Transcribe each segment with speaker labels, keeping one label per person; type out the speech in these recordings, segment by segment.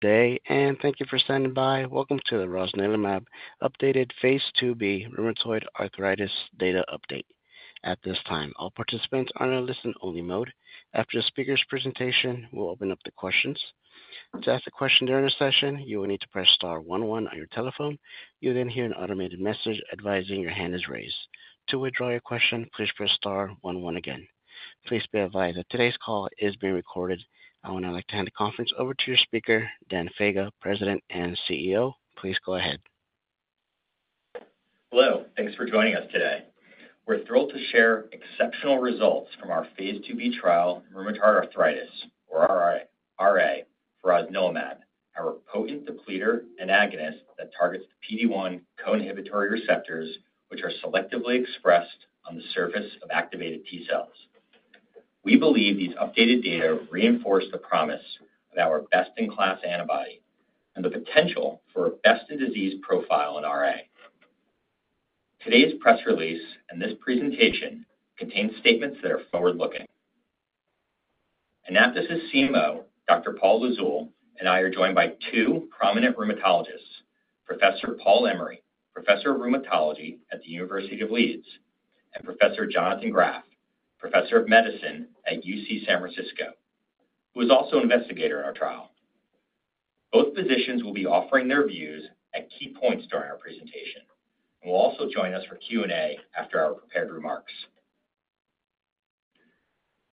Speaker 1: Today, and thank you for standing by. Welcome to the Rosnilimab updated phase 2B rheumatoid arthritis data update. At this time, all participants are in a listen-only mode. After the speaker's presentation, we'll open up the questions. To ask a question during the session, you will need to press star one one on your telephone. You'll then hear an automated message advising your hand is raised. To withdraw your question, please press star one one again. Please be advised that today's call is being recorded. I would now like to hand the conference over to your speaker, Dan Faga, President and CEO. Please go ahead.
Speaker 2: Hello. Thanks for joining us today. We're thrilled to share exceptional results from our phase 2B trial in rheumatoid arthritis, or RA, for rosnilimab, our potent depletor antagonist that targets the PD-1 co-inhibitory receptors, which are selectively expressed on the surface of activated T cells. We believe these updated data reinforce the promise of our best-in-class antibody and the potential for a best-in-disease profile in RA. Today's press release and this presentation contain statements that are forward-looking. Anaptys CMO, Dr. Paul Lizzul, and I are joined by two prominent rheumatologists, Professor Paul Emery, Professor of Rheumatology at the University of Leeds, and Professor Jonathan Graf, Professor of Medicine at UC San Francisco, who is also an investigator in our trial. Both physicians will be offering their views at key points during our presentation. They'll also join us for Q&A after our prepared remarks.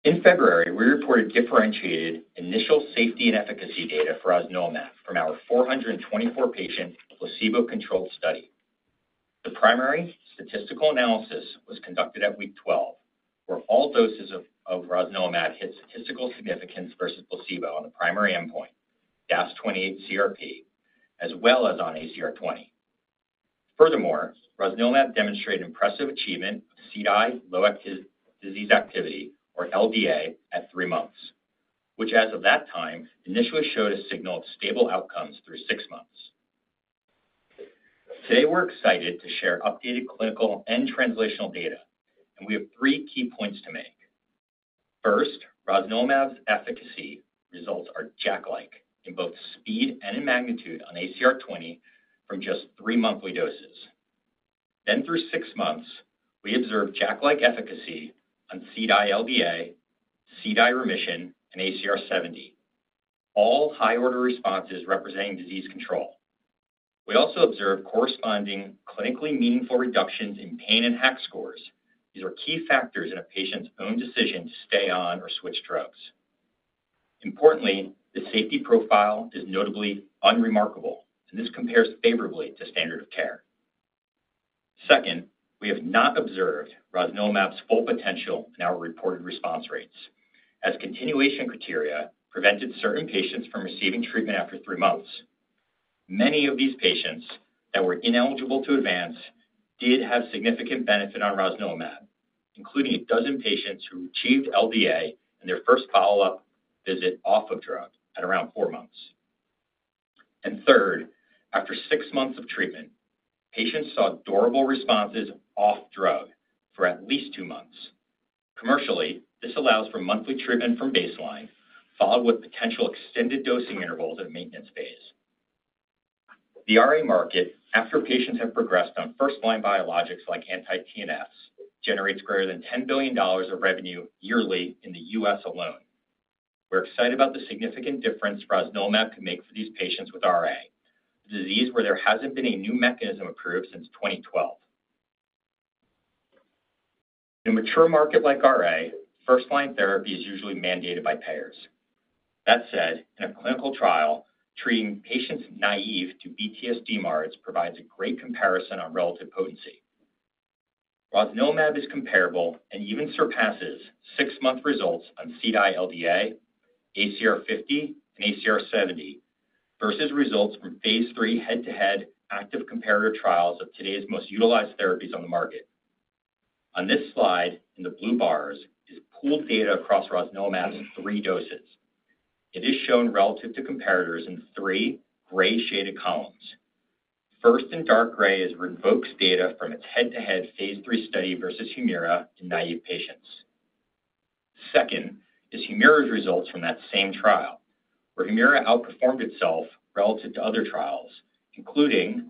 Speaker 2: In February, we reported differentiated initial safety and efficacy data for rosnilimab from our 424-patient placebo-controlled study. The primary statistical analysis was conducted at week 12, where all doses of rosnilimab hit statistical significance versus placebo on the primary endpoint, DAS28 CRP, as well as on ACR20. Furthermore, rosnilimab demonstrated impressive achievement of CDAI low disease activity, or LDA, at three months, which, as of that time, initially showed a signal of stable outcomes through six months. Today, we're excited to share updated clinical and translational data, and we have three key points to make. First, rosnilimab's efficacy results are JAK-like in both speed and in magnitude on ACR20 from just three monthly doses. Through six months, we observed JAK-like efficacy on CDAI LDA, CDAI remission, and ACR70, all high-order responses representing disease control. We also observed corresponding clinically meaningful reductions in pain and HAQ scores. These are key factors in a patient's own decision to stay on or switch drugs. Importantly, the safety profile is notably unremarkable, and this compares favorably to standard of care. Second, we have not observed rosnilimab's full potential in our reported response rates, as continuation criteria prevented certain patients from receiving treatment after three months. Many of these patients that were ineligible to advance did have significant benefit on rosnilimab, including a dozen patients who achieved LDA in their first follow-up visit off of drug at around four months. Third, after six months of treatment, patients saw durable responses off drug for at least two months. Commercially, this allows for monthly treatment from baseline, followed with potential extended dosing intervals at maintenance phase. The RA market, after patients have progressed on first-line biologics like anti-TNFs, generates greater than $10 billion of revenue yearly in the U.S. alone. We're excited about the significant difference rosnilimab can make for these patients with RA, a disease where there hasn't been a new mechanism approved since 2012. In a mature market like RA, first-line therapy is usually mandated by payers. That said, in a clinical trial, treating patients naive to b/tsDMARDs provides a great comparison on relative potency. Rosnilimab is comparable and even surpasses six-month results on CDAI LDA, ACR50, and ACR70 versus results from phase III head-to-head active comparator trials of today's most utilized therapies on the market. On this slide, in the blue bars, is pooled data across rosnilimab's three doses. It is shown relative to comparators in three gray-shaded columns. First in dark gray is Rinvoq's data from its head-to-head phase III study versus Humira in naive patients. Second is Humira's results from that same trial, where Humira outperformed itself relative to other trials, including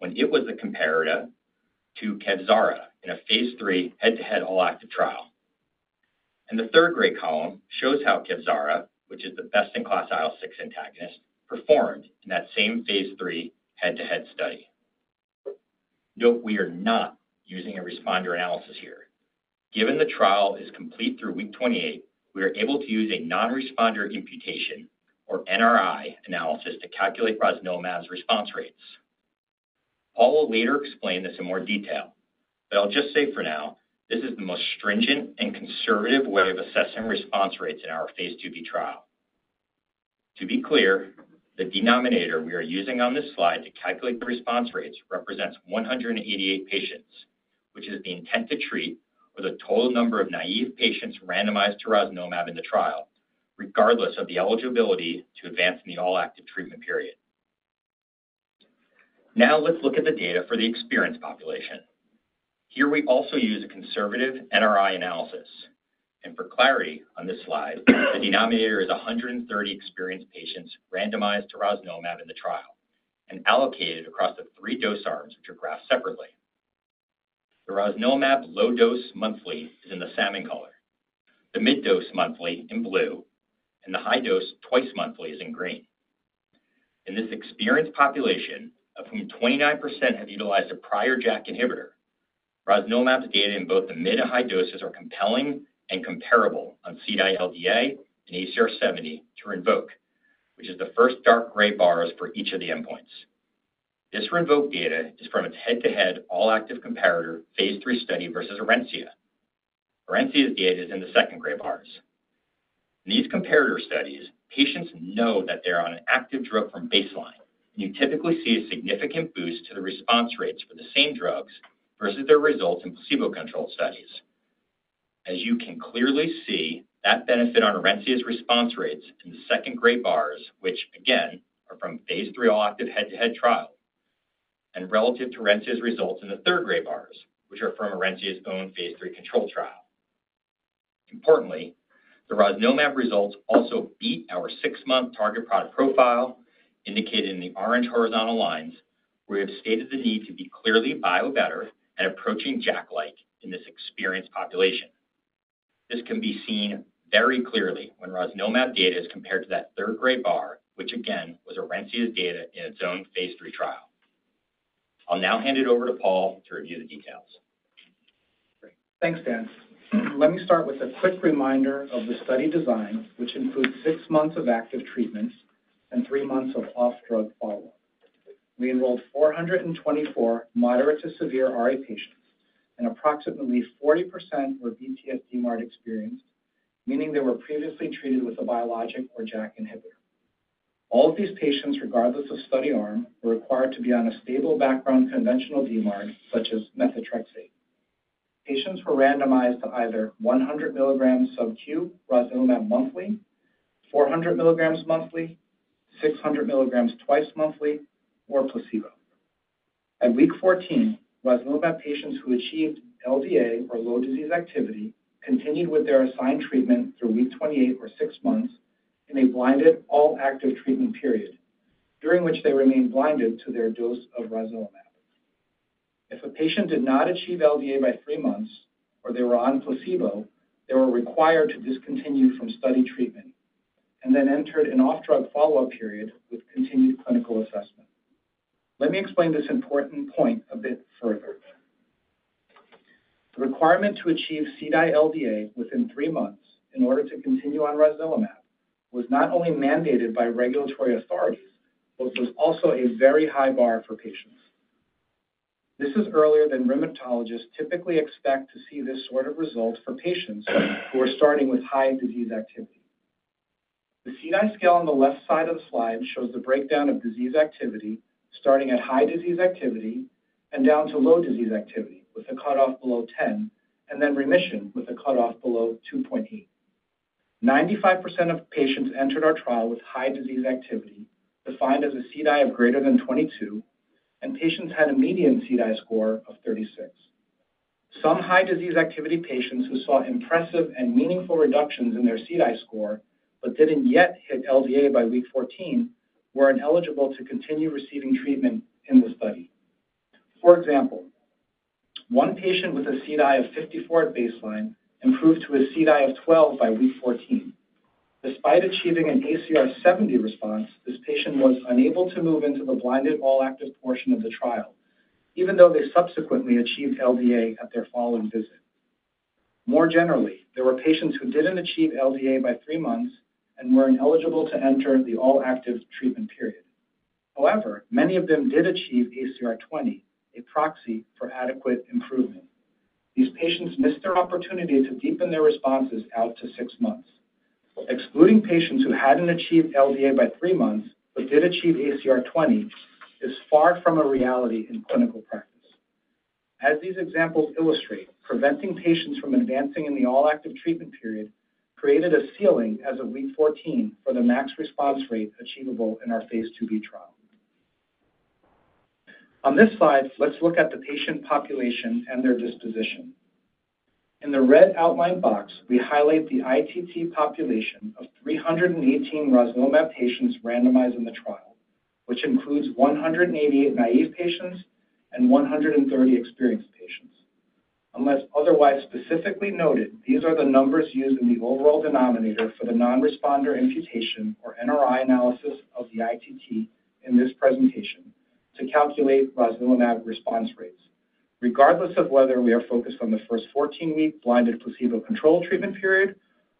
Speaker 2: when it was the comparator to Kevzara in a phase III head-to-head all-active trial. The third gray column shows how Kevzara, which is the best-in-class IL-6 antagonist, performed in that same phase III head-to-head study. Note we are not using a responder analysis here. Given the trial is complete through week 28, we are able to use a non-responder imputation, or NRI, analysis to calculate rosnilimab's response rates. Paul will later explain this in more detail, but I'll just say for now, this is the most stringent and conservative way of assessing response rates in our phase 2B trial. To be clear, the denominator we are using on this slide to calculate the response rates represents 188 patients, which is the intent to treat or the total number of naive patients randomized to rosnilimab in the trial, regardless of the eligibility to advance in the all-active treatment period. Now, let's look at the data for the experienced population. Here, we also use a conservative NRI analysis. For clarity on this slide, the denominator is 130 experienced patients randomized to rosnilimab in the trial and allocated across the three dose arms, which are graphed separately. The rosnilimab low dose monthly is in the salmon color, the mid-dose monthly in blue, and the high dose twice monthly is in green. In this experienced population, of whom 29% have utilized a prior JAK inhibitor, rosnilimab's data in both the mid and high doses are compelling and comparable on CDAI LDA and ACR70 to Rinvoq, which is the first dark gray bars for each of the endpoints. This Rinvoq data is from its head-to-head all-active comparator phase III study versus Orencia. Orencia's data is in the second gray bars. In these comparator studies, patients know that they're on an active drug from baseline, and you typically see a significant boost to the response rates for the same drugs versus their results in placebo-controlled studies. As you can clearly see, that benefit on Orencia's response rates in the second gray bars, which, again, are from phase III all-active head-to-head trial, and relative to Orencia's results in the third gray bars, which are from Orencia's own phase 3 control trial. Importantly, the rosnilimab results also beat our six-month target product profile indicated in the orange horizontal lines, where we have stated the need to be clearly bio-better and approaching JAK-like in this experienced population. This can be seen very clearly when rosnilimab data is compared to that third gray bar, which, again, was Orencia's data in its own phase III trial. I'll now hand it over to Paul to review the details.
Speaker 3: Thanks, Dan. Let me start with a quick reminder of the study design, which includes six months of active treatments and three months of off-drug follow-up. We enrolled 424 moderate to severe RA patients, and approximately 40% were b/tsDMARD experienced, meaning they were previously treated with a biologic or JAK inhibitor. All of these patients, regardless of study arm, were required to be on a stable background conventional DMARD, such as methotrexate. Patients were randomized to either 100 milligrams subcu rosnilimab monthly, 400 milligrams monthly, 600 milligrams twice monthly, or placebo. At week 14, rosnilimab patients who achieved LDA or low disease activity continued with their assigned treatment through week 28 or six months in a blinded all-active treatment period, during which they remained blinded to their dose of rosnilimab. If a patient did not achieve LDA by three months or they were on placebo, they were required to discontinue from study treatment and then entered an off-drug follow-up period with continued clinical assessment. Let me explain this important point a bit further. The requirement to achieve CDAI LDA within three months in order to continue on rosnilimab was not only mandated by regulatory authorities, but was also a very high bar for patients. This is earlier than rheumatologists typically expect to see this sort of result for patients who are starting with high disease activity. The CDAI scale on the left side of the slide shows the breakdown of disease activity starting at high disease activity and down to low disease activity with a cutoff below 10, and then remission with a cutoff below 2.8. 95% of patients entered our trial with high disease activity defined as a CDAI of greater than 22, and patients had a median CDAI score of 36. Some high disease activity patients who saw impressive and meaningful reductions in their CDAI score but did not yet hit LDA by week 14 were ineligible to continue receiving treatment in the study. For example, one patient with a CDAI of 54 at baseline improved to a CDAI of 12 by week 14. Despite achieving an ACR70 response, this patient was unable to move into the blinded all-active portion of the trial, even though they subsequently achieved LDA at their following visit. More generally, there were patients who did not achieve LDA by three months and were ineligible to enter the all-active treatment period. However, many of them did achieve ACR20, a proxy for adequate improvement. These patients missed their opportunity to deepen their responses out to six months. Excluding patients who had not achieved LDA by three months but did achieve ACR20 is far from a reality in clinical practice. As these examples illustrate, preventing patients from advancing in the all-active treatment period created a ceiling as of week 14 for the max response rate achievable in our phase 2B trial. On this slide, let's look at the patient population and their disposition. In the red outline box, we highlight the ITT population of 318 rosnilimab patients randomized in the trial, which includes 188 naive patients and 130 experienced patients. Unless otherwise specifically noted, these are the numbers used in the overall denominator for the non-responder imputation, or NRI analysis, of the ITT in this presentation to calculate rosnilimab response rates, regardless of whether we are focused on the first 14-week blinded placebo-controlled treatment period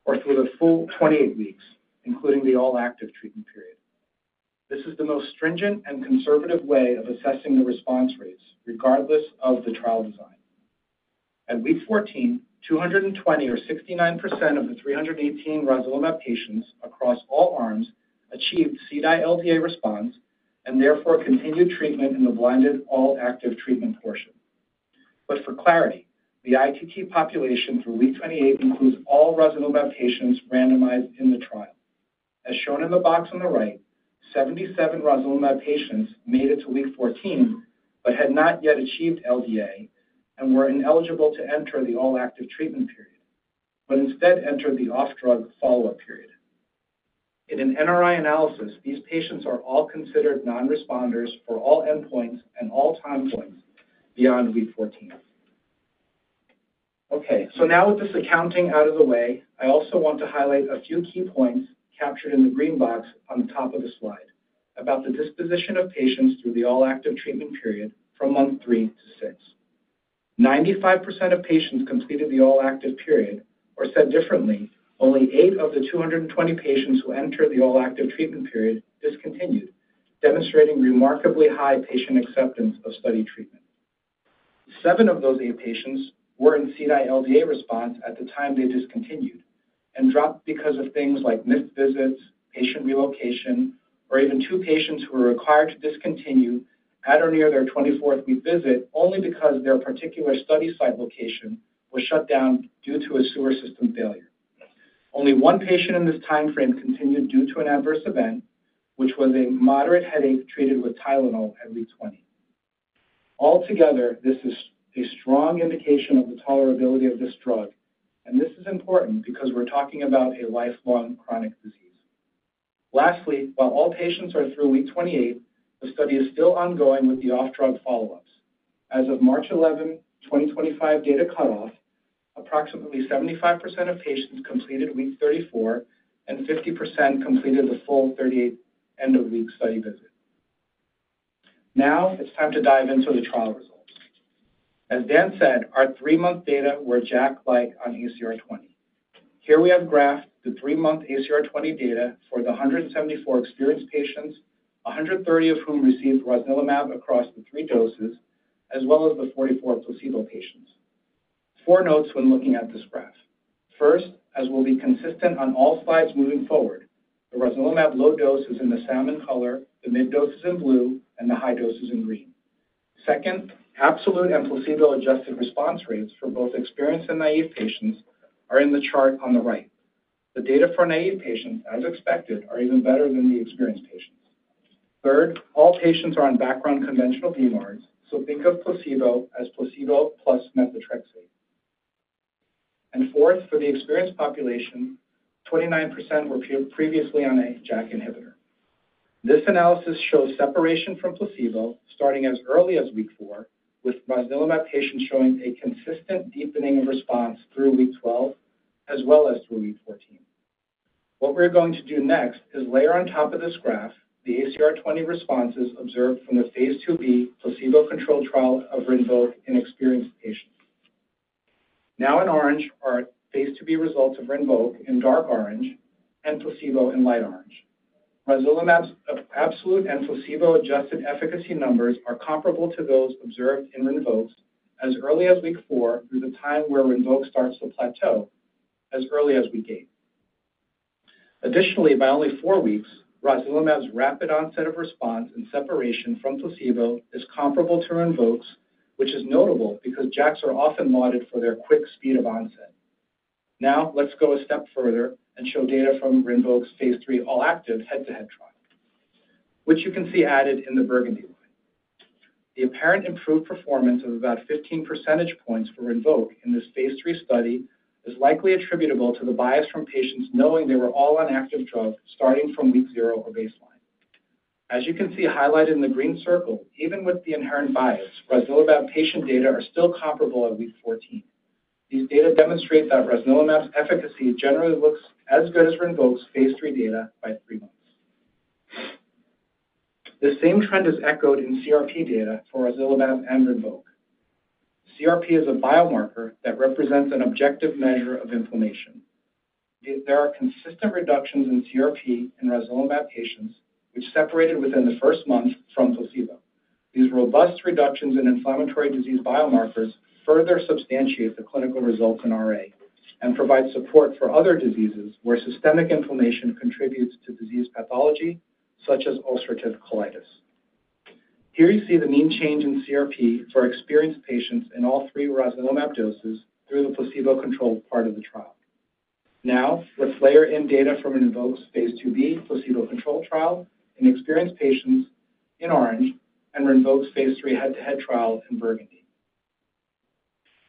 Speaker 3: or through the full 28 weeks, including the all-active treatment period. This is the most stringent and conservative way of assessing the response rates, regardless of the trial design. At week 14, 220, or 69% of the 318 rosnilimab patients across all arms achieved CDAI LDA response and therefore continued treatment in the blinded all-active treatment portion. For clarity, the ITT population through week 28 includes all rosnilimab patients randomized in the trial. As shown in the box on the right, 77 rosnilimab patients made it to week 14 but had not yet achieved LDA and were ineligible to enter the all-active treatment period, but instead entered the off-drug follow-up period. In an NRI analysis, these patients are all considered non-responders for all endpoints and all time points beyond week 14. Okay, so now with this accounting out of the way, I also want to highlight a few key points captured in the green box on the top of the slide about the disposition of patients through the all-active treatment period from month three to six. 95% of patients completed the all-active period, or said differently, only eight of the 220 patients who entered the all-active treatment period discontinued, demonstrating remarkably high patient acceptance of study treatment. Seven of those eight patients were in CDAI LDA response at the time they discontinued and dropped because of things like missed visits, patient relocation, or even two patients who were required to discontinue at or near their 24th week visit only because their particular study site location was shut down due to a sewer system failure. Only one patient in this timeframe continued due to an adverse event, which was a moderate headache treated with Tylenol at week 20. Altogether, this is a strong indication of the tolerability of this drug, and this is important because we're talking about a lifelong chronic disease. Lastly, while all patients are through week 28, the study is still ongoing with the off-drug follow-ups. As of March 11th, 2025 data cutoff, approximately 75% of patients completed week 34, and 50% completed the full 38th end-of-week study visit. Now, it's time to dive into the trial results. As Dan said, our three-month data were JAK-like on ACR20. Here we have graphed the three-month ACR20 data for the 174 experienced patients, 130 of whom received rosnilimab across the three doses, as well as the 44 placebo patients. Four notes when looking at this graph. First, as we'll be consistent on all slides moving forward, the rosnilimab low dose is in the salmon color, the mid dose is in blue, and the high dose is in green. Second, absolute and placebo-adjusted response rates for both experienced and naive patients are in the chart on the right. The data for naive patients, as expected, are even better than the experienced patients. Third, all patients are on background conventional DMARDs, so think of placebo as placebo plus methotrexate. Fourth, for the experienced population, 29% were previously on a JAK inhibitor. This analysis shows separation from placebo starting as early as week four, with rosnilimab patients showing a consistent deepening of response through week 12, as well as through week 14. What we're going to do next is layer on top of this graph the ACR20 responses observed from the phase 2B placebo-controlled trial of Rinvoq in experienced patients. Now in orange are phase 2B results of Rinvoq in dark orange and placebo in light orange. Rosnilimab's absolute and placebo-adjusted efficacy numbers are comparable to those observed in Rinvoq's as early as week four through the time where Rinvoq starts to plateau as early as week eight. Additionally, by only four weeks, rosnilimab's rapid onset of response and separation from placebo is comparable to Rinvoq's, which is notable because JAKs are often lauded for their quick speed of onset. Now, let's go a step further and show data from Rinvoq's phase III all-active head-to-head trial, which you can see added in the burgundy line. The apparent improved performance of about 15 percentage points for Rinvoq in this phase III study is likely attributable to the bias from patients knowing they were all on active drugs starting from week zero or baseline. As you can see highlighted in the green circle, even with the inherent bias, rosnilimab patient data are still comparable at week 14. These data demonstrate that rosnilimab's efficacy generally looks as good as Rinvoq's phase III data by three months. The same trend is echoed in CRP data for rosnilimab and Rinvoq. CRP is a biomarker that represents an objective measure of inflammation. There are consistent reductions in CRP in rosnilimab patients, which separated within the first month from placebo. These robust reductions in inflammatory disease biomarkers further substantiate the clinical results in RA and provide support for other diseases where systemic inflammation contributes to disease pathology, such as ulcerative colitis. Here you see the mean change in CRP for experienced patients in all three rosnilimab doses through the placebo-controlled part of the trial. Now, let's layer in data from Rinvoq's phase 2B placebo-controlled trial in experienced patients in orange and Rinvoq's phase III head-to-head trial in burgundy.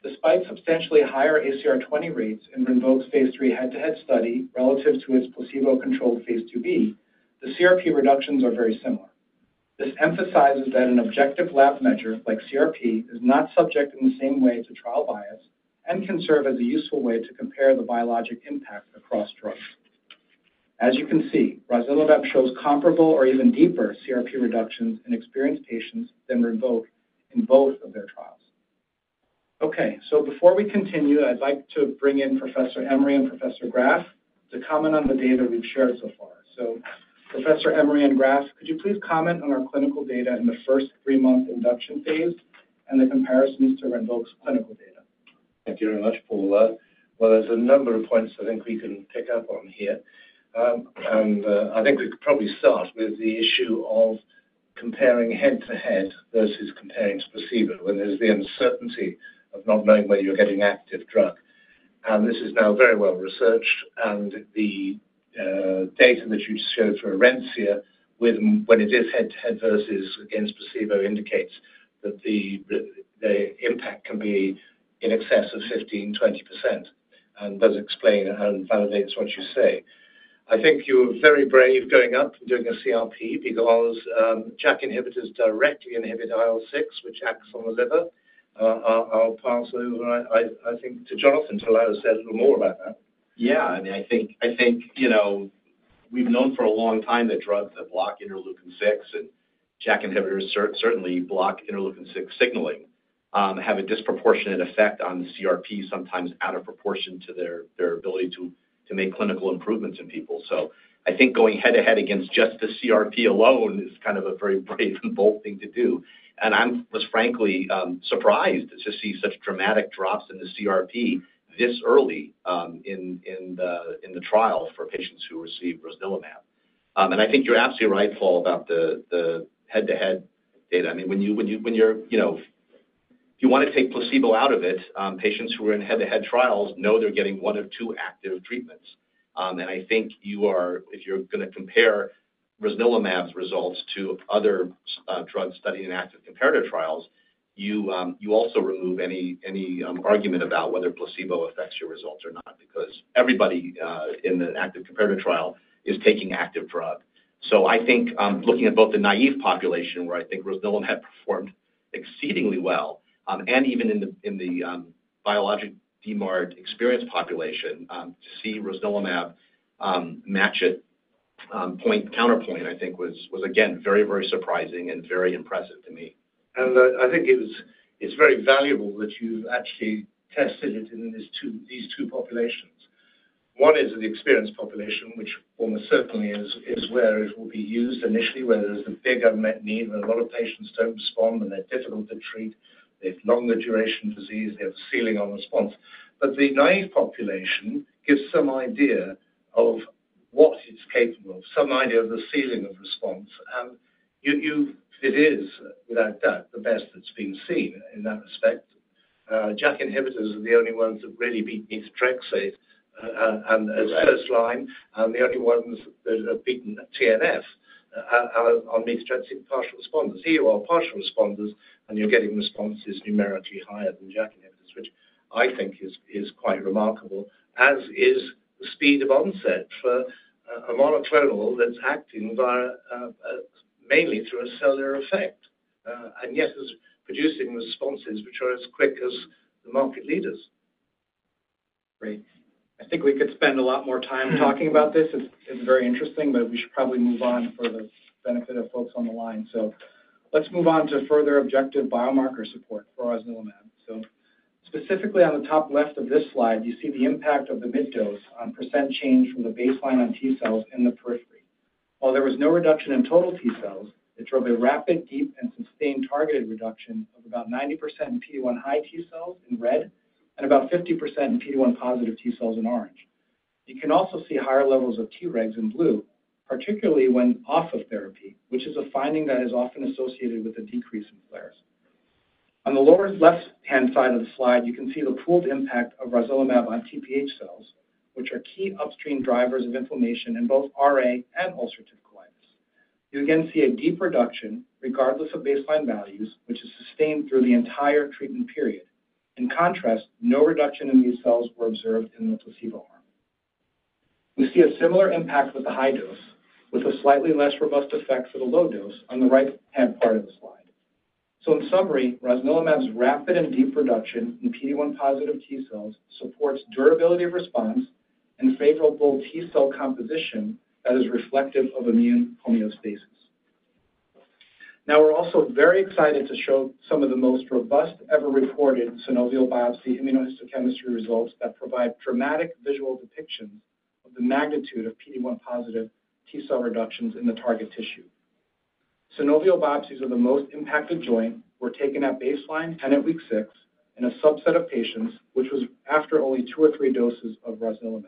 Speaker 3: Despite substantially higher ACR20 rates in Rinvoq's phase III head-to-head study relative to its placebo-controlled phase 2B, the CRP reductions are very similar. This emphasizes that an objective lab measure like CRP is not subject in the same way to trial bias and can serve as a useful way to compare the biologic impact across drugs. As you can see, rosnilimab shows comparable or even deeper CRP reductions in experienced patients than Rinvoq in both of their trials. Okay, before we continue, I'd like to bring in Professor Emery and Professor Graf to comment on the data we've shared so far. Professor Emery and Graf, could you please comment on our clinical data in the first three-month induction phase and the comparisons to Rinvoq's clinical data?
Speaker 4: Thank you very much, Paul. There are a number of points I think we can pick up on here. I think we could probably start with the issue of comparing head-to-head versus comparing placebo when there is the uncertainty of not knowing whether you are getting active drug. This is now very well researched. The data that you just showed for Orencia when it is head-to-head versus against placebo indicates that the impact can be in excess of 15%-20%, and does explain and validates what you say. I think you were very brave going up and doing a CRP because JAK inhibitors directly inhibit IL-6, which acts on the liver. I will pass over, I think, to Jonathan to allow us to say a little more about that.
Speaker 5: Yeah, I mean, I think we've known for a long time that drugs that block interleukin-6 and JAK inhibitors certainly block interleukin-6 signaling have a disproportionate effect on the CRP, sometimes out of proportion to their ability to make clinical improvements in people. I think going head-to-head against just the CRP alone is kind of a very brave and bold thing to do. I'm most frankly surprised to see such dramatic drops in the CRP this early in the trial for patients who receive rosnilimab. I think you're absolutely right, Paul, about the head-to-head data. I mean, when you're—if you want to take placebo out of it, patients who are in head-to-head trials know they're getting one of two active treatments. I think if you're going to compare Rosnilimab's results to other drugs studied in active comparative trials, you also remove any argument about whether placebo affects your results or not because everybody in the active comparative trial is taking active drug. I think looking at both the naive population, where I think Rosnilimab performed exceedingly well, and even in the biologic DMARD experienced population, to see Rosnilimab match it point-counterpoint, I think, was, again, very, very surprising and very impressive to me.
Speaker 4: I think it's very valuable that you've actually tested it in these two populations. One is the experienced population, which almost certainly is where it will be used initially, where there's a big unmet need, where a lot of patients don't respond, and they're difficult to treat, they've longer duration disease, they have a ceiling on response. The naive population gives some idea of what it's capable of, some idea of the ceiling of response. It is, without doubt, the best that's been seen in that respect. JAK inhibitors are the only ones that really beat methotrexate as first line, and the only ones that have beaten TNF on methotrexate partial responders. Here you are partial responders, and you're getting responses numerically higher than JAK inhibitors, which I think is quite remarkable, as is the speed of onset for a monoclonal that's acting mainly through a cellular effect, and yet is producing responses which are as quick as the market leaders.
Speaker 2: Great. I think we could spend a lot more time talking about this. It's very interesting, but we should probably move on for the benefit of folks on the line. Let's move on to further objective biomarker support for rosnilimab. Specifically, on the top left of this slide, you see the impact of the mid dose on percent change from the baseline on T cells in the periphery. While there was no reduction in total T cells, it drove a rapid, deep, and sustained targeted reduction of about 90% in PD-1 high T cells in red and about 50% in PD-1 positive T cells in orange. You can also see higher levels of Tregs in blue, particularly when off of therapy, which is a finding that is often associated with a decrease in flares. On the lower left-hand side of the slide, you can see the pooled impact of rosnilimab on Tph cells, which are key upstream drivers of inflammation in both RA and ulcerative colitis. You again see a deep reduction regardless of baseline values, which is sustained through the entire treatment period. In contrast, no reduction in these cells was observed in the placebo arm. We see a similar impact with the high dose, with a slightly less robust effect for the low dose on the right-hand part of the slide. In summary, rosnilimab's rapid and deep reduction in PD-1-positive T cells supports durability of response and favorable T cell composition that is reflective of immune homeostasis. Now, we're also very excited to show some of the most robust ever reported synovial biopsy immunohistochemistry results that provide dramatic visual depictions of the magnitude of PD-1 positive T cell reductions in the target tissue. Synovial biopsies of the most impacted joint were taken at baseline and at week six in a subset of patients, which was after only two or three doses of rosnilimab.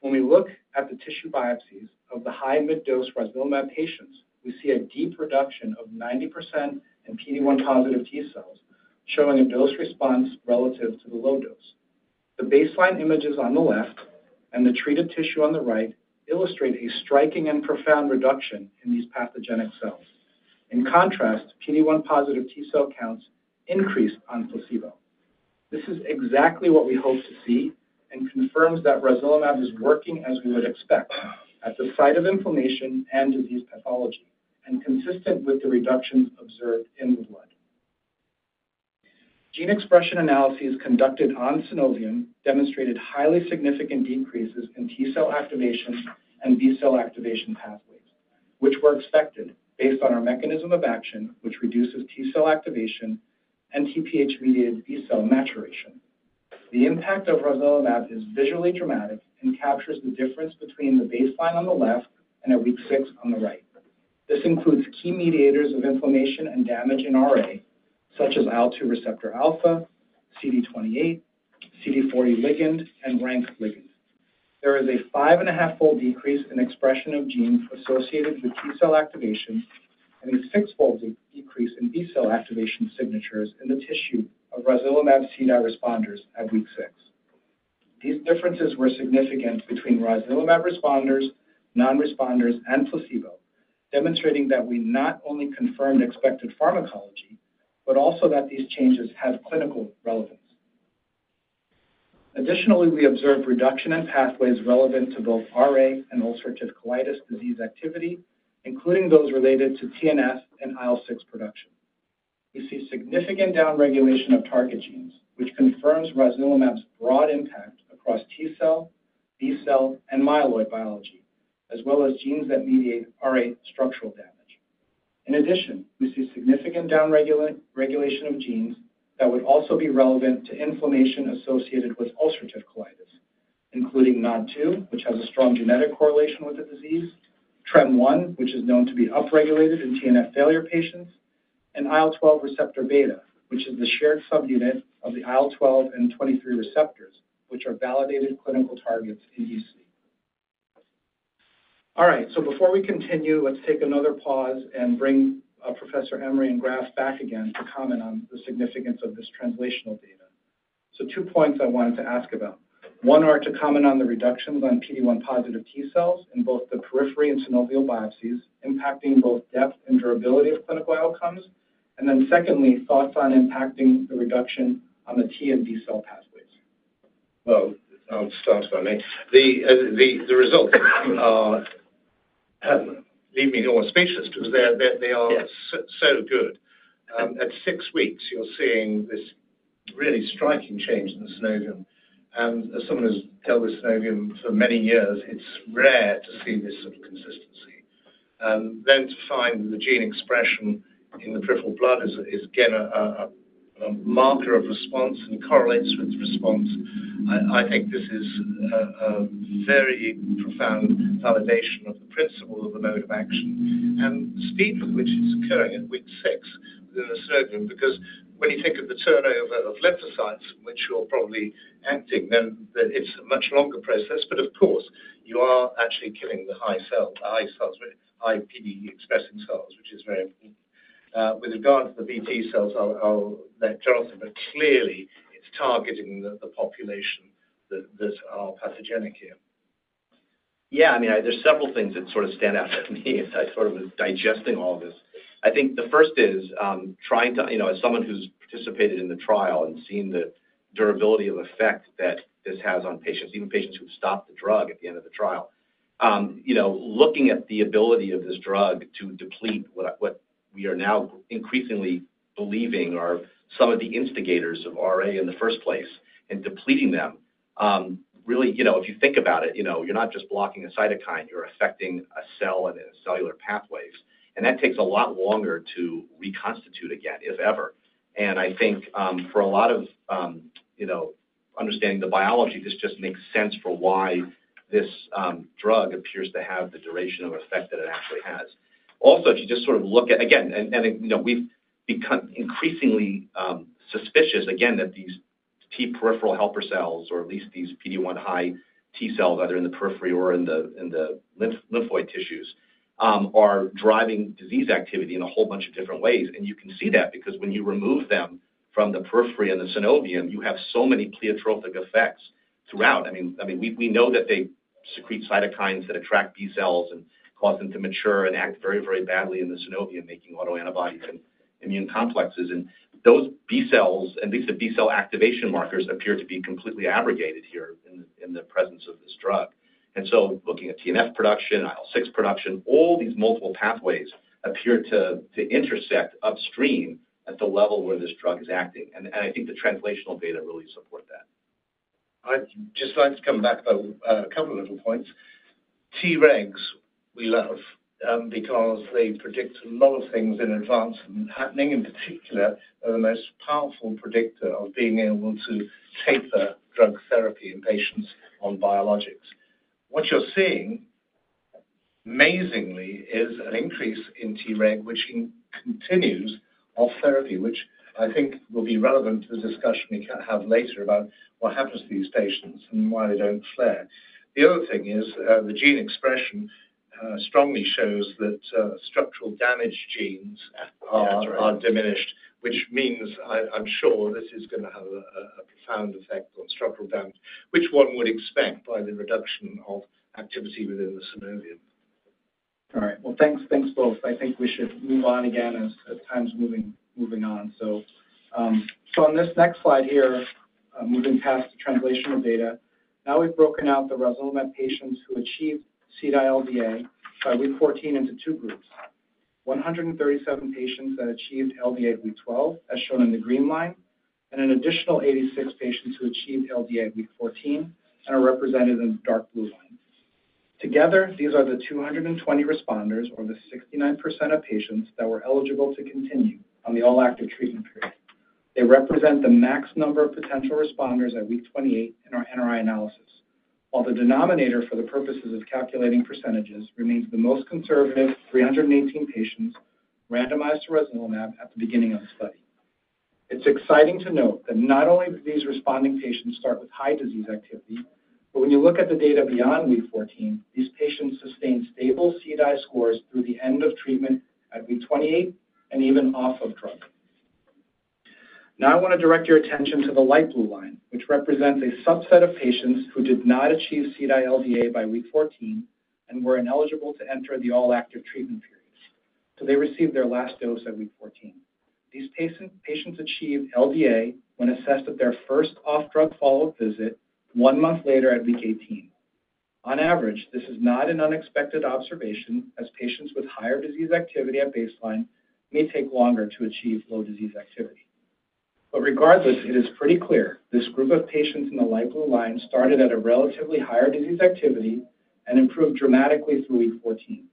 Speaker 2: When we look at the tissue biopsies of the high mid dose rosnilimab patients, we see a deep reduction of 90% in PD-1 positive T cells, showing a dose response relative to the low dose. The baseline images on the left and the treated tissue on the right illustrate a striking and profound reduction in these pathogenic cells. In contrast, PD-1 positive T cell counts increased on placebo. This is exactly what we hope to see and confirms that rosnilimab is working as we would expect at the site of inflammation and disease pathology, and consistent with the reductions observed in the blood. Gene expression analyses conducted on synovium demonstrated highly significant decreases in T cell activation and B cell activation pathways, which were expected based on our mechanism of action, which reduces T cell activation and Tph-mediated B cell maturation. The impact of rosnilimab is visually dramatic and captures the difference between the baseline on the left and at week six on the right. This includes key mediators of inflammation and damage in RA, such as IL-2 receptor alpha, CD28, CD40 ligand, and RANK ligand. There is a five-and-a-half-fold decrease in expression of genes associated with T cell activation and a six-fold decrease in B cell activation signatures in the tissue of rosnilimab C9 responders at week six. These differences were significant between rosnilimab responders, non-responders, and placebo, demonstrating that we not only confirmed expected pharmacology, but also that these changes have clinical relevance. Additionally, we observed reduction in pathways relevant to both RA and ulcerative colitis disease activity, including those related to TNF and IL-6 production. We see significant downregulation of target genes, which confirms rosnilimab's broad impact across T cell, B cell, and myeloid biology, as well as genes that mediate RA structural damage. In addition, we see significant downregulation of genes that would also be relevant to inflammation associated with ulcerative colitis, including NOD2, which has a strong genetic correlation with the disease, TREM1, which is known to be upregulated in TNF failure patients, and IL-12 receptor beta, which is the shared subunit of the IL-12 and 23 receptors, which are validated clinical targets in UC. All right, before we continue, let's take another pause and bring Professor Emery and Graf back again to comment on the significance of this translational data. Two points I wanted to ask about. One, to comment on the reductions on PD-1 positive T cells in both the periphery and synovial biopsies, impacting both depth and durability of clinical outcomes. Secondly, thoughts on impacting the reduction on the T and B cell pathways.
Speaker 4: I'll start b. The results leave me a little speechless because they are so good. At six weeks, you're seeing this really striking change in the synovium. And as someone who's dealt with synovium for many years, it's rare to see this sort of consistency. Then to find the gene expression in the peripheral blood is, again, a marker of response and correlates with response. I think this is a very profound validation of the principle of the mode of action and the speed with which it's occurring at week six within the synovium, because when you think of the turnover of lymphocytes, which you're probably acting, then it's a much longer process. Of course, you are actually killing the high cells, the high PD-1 expressing cells, which is very important. With regard to the BT cells, I'll let Jonathan. Clearly, it's targeting the population that are pathogenic here.
Speaker 5: Yeah, I mean, there's several things that sort of stand out to me as I sort of was digesting all of this. I think the first is trying to, as someone who's participated in the trial and seen the durability of effect that this has on patients, even patients who've stopped the drug at the end of the trial, looking at the ability of this drug to deplete what we are now increasingly believing are some of the instigators of RA in the first place and depleting them. Really, if you think about it, you're not just blocking a cytokine, you're affecting a cell and its cellular pathways. That takes a lot longer to reconstitute again, if ever. I think for a lot of understanding the biology, this just makes sense for why this drug appears to have the duration of effect that it actually has. Also, if you just sort of look at, again, and we've become increasingly suspicious, again, that these T peripheral helper cells, or at least these PD-1 high T cells, either in the periphery or in the lymphoid tissues, are driving disease activity in a whole bunch of different ways. You can see that because when you remove them from the periphery and the synovium, you have so many pleiotropic effects throughout. I mean, we know that they secrete cytokines that attract B cells and cause them to mature and act very, very badly in the synovium, making autoantibodies and immune complexes. Those B cells, at least the B cell activation markers, appear to be completely abrogated here in the presence of this drug. Looking at TNF production, IL-6 production, all these multiple pathways appear to intersect upstream at the level where this drug is acting. I think the translational data really support that.
Speaker 4: I'd just like to come back to a couple of little points. Tregs, we love, because they predict a lot of things in advance and happening. In particular, they're the most powerful predictor of being able to taper drug therapy in patients on biologics. What you're seeing, amazingly, is an increase in Treg, which continues off therapy, which I think will be relevant to the discussion we have later about what happens to these patients and why they don't flare. The other thing is the gene expression strongly shows that structural damage genes are diminished, which means, I'm sure this is going to have a profound effect on structural damage, which one would expect by the reduction of activity within the synovium.
Speaker 3: All right, thanks, both. I think we should move on again as time's moving on. On this next slide here, moving past the translational data, now we've broken out the rosnilimab patients who achieved CDAI LDA by week 14 into two groups: 137 patients that achieved LDA week 12, as shown in the green line, and an additional 86 patients who achieved LDA week 14 and are represented in the dark blue line. Together, these are the 220 responders, or the 69% of patients that were eligible to continue on the all-active treatment period. They represent the max number of potential responders at week 28 in our NRI analysis, while the denominator for the purposes of calculating percentages remains the most conservative 318 patients randomized to rosnilimab at the beginning of the study. It's exciting to note that not only do these responding patients start with high disease activity, but when you look at the data beyond week 14, these patients sustained stable CDAI scores through the end of treatment at week 28 and even off of drug. Now I want to direct your attention to the light blue line, which represents a subset of patients who did not achieve CDAI LDA by week 14 and were ineligible to enter the all-active treatment period. They received their last dose at week 14. These patients achieved LDA when assessed at their first off-drug follow-up visit one month later at week 18. On average, this is not an unexpected observation, as patients with higher disease activity at baseline may take longer to achieve low disease activity. Regardless, it is pretty clear this group of patients in the light blue line started at a relatively higher disease activity and improved dramatically through week 14.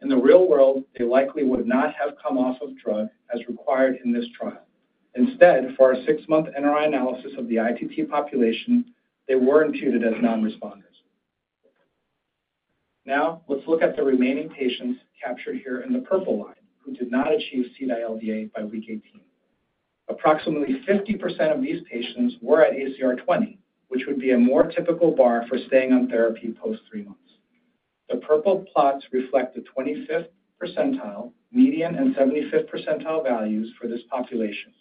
Speaker 3: In the real world, they likely would not have come off of drug as required in this trial. Instead, for our six-month NRI analysis of the ITT population, they were imputed as non-responders. Now let's look at the remaining patients captured here in the purple line who did not achieve C9 LDA by week 18. Approximately 50% of these patients were at ACR20, which would be a more typical bar for staying on therapy post three months. The purple plots reflect the 25th percentile, median, and 75th percentile values for this population.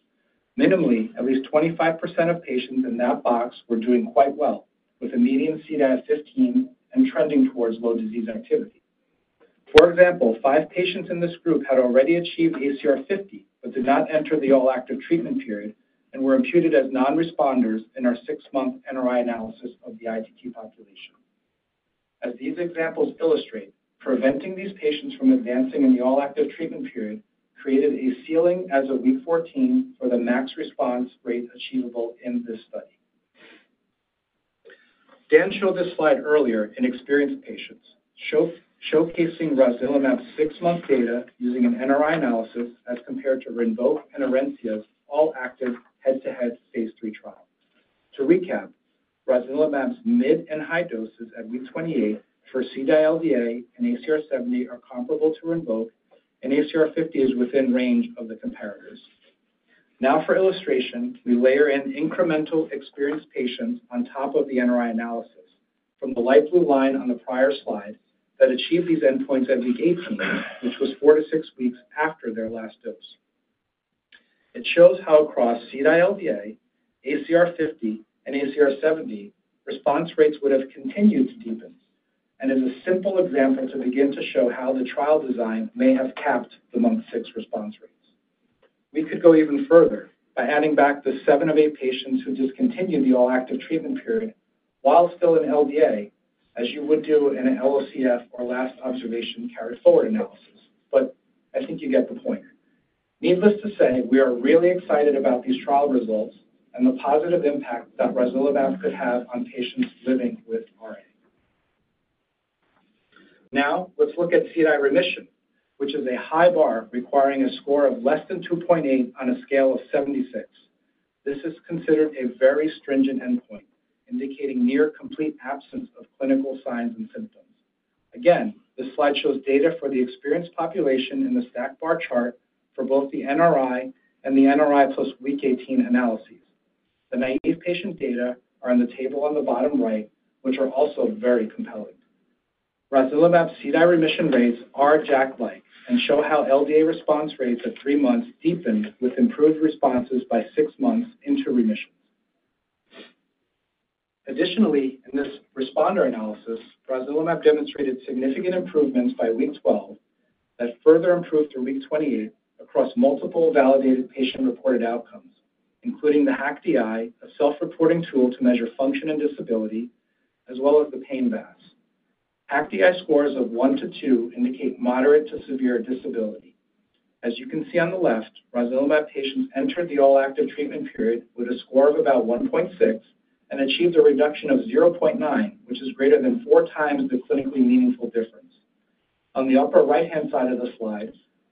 Speaker 3: Minimally, at least 25% of patients in that box were doing quite well, with a median C9 of 15 and trending towards low disease activity. For example, five patients in this group had already achieved ACR50, but did not enter the all-active treatment period and were imputed as non-responders in our six-month NRI analysis of the ITT population. As these examples illustrate, preventing these patients from advancing in the all-active treatment period created a ceiling as of week 14 for the max response rate achievable in this study. Dan showed this slide earlier in experienced patients, showcasing rosnilimab's six-month data using an NRI analysis as compared to Rinvoq and Orencia's all-active head-to-head phase III trial. To recap, rosnilimab's mid and high doses at week 28 for CDAI LDA and ACR70 are comparable to Rinvoq, and ACR50 is within range of the comparators. Now, for illustration, we layer in incremental experienced patients on top of the NRI analysis from the light blue line on the prior slide that achieved these endpoints at week 18, which was four to six weeks after their last dose. It shows how across CDAI LDA, ACR50, and ACR70, response rates would have continued to deepen. As a simple example to begin to show how the trial design may have capped the month six response rates. We could go even further by adding back the seven of eight patients who discontinued the all-active treatment period while still in LDA, as you would do in an LOCF or last observation carry forward analysis. I think you get the point. Needless to say, we are really excited about these trial results and the positive impact that rosnilimab could have on patients living with RA. Now, let's look at CDAI remission, which is a high bar requiring a score of less than 2.8 on a scale of 76. This is considered a very stringent endpoint, indicating near complete absence of clinical signs and symptoms. Again, this slide shows data for the experienced population in the stacked bar chart for both the NRI and the NRI plus week 18 analyses. The naive patient data are in the table on the bottom right, which are also very compelling. Rosnilimab's CDAI remission rates are JAK-like and show how LDA response rates at three months deepened with improved responses by six months into remission. Additionally, in this responder analysis, Rosnilimab demonstrated significant improvements by week 12 that further improved through week 28 across multiple validated patient-reported outcomes, including the HAQ-DI, a self-reporting tool to measure function and disability, as well as the pain VAS. HAQ-DI scores of one to two indicate moderate to severe disability. As you can see on the left, rosnilimab patients entered the all-active treatment period with a score of about 1.6 and achieved a reduction of 0.9, which is greater than four times the clinically meaningful difference. On the upper right-hand side of the slide,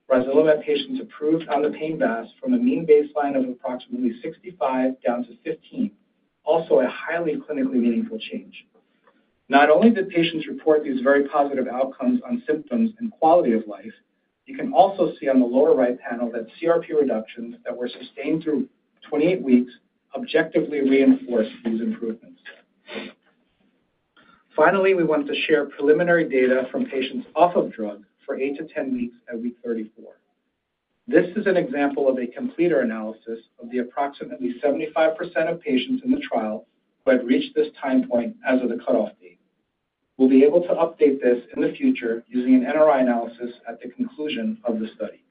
Speaker 3: rosnilimab patients improved on the pain VAS from a mean baseline of approximately 65 down to 15, also a highly clinically meaningful change. Not only did patients report these very positive outcomes on symptoms and quality of life, you can also see on the lower right panel that CRP reductions that were sustained through 28 weeks objectively reinforced these improvements. Finally, we want to share preliminary data from patients off of drug for eight to 10 weeks at week 34. This is an example of a completer analysis of the approximately 75% of patients in the trial who had reached this time point as of the cutoff date. We'll be able to update this in the future using an NRI analysis at the conclusion of the study.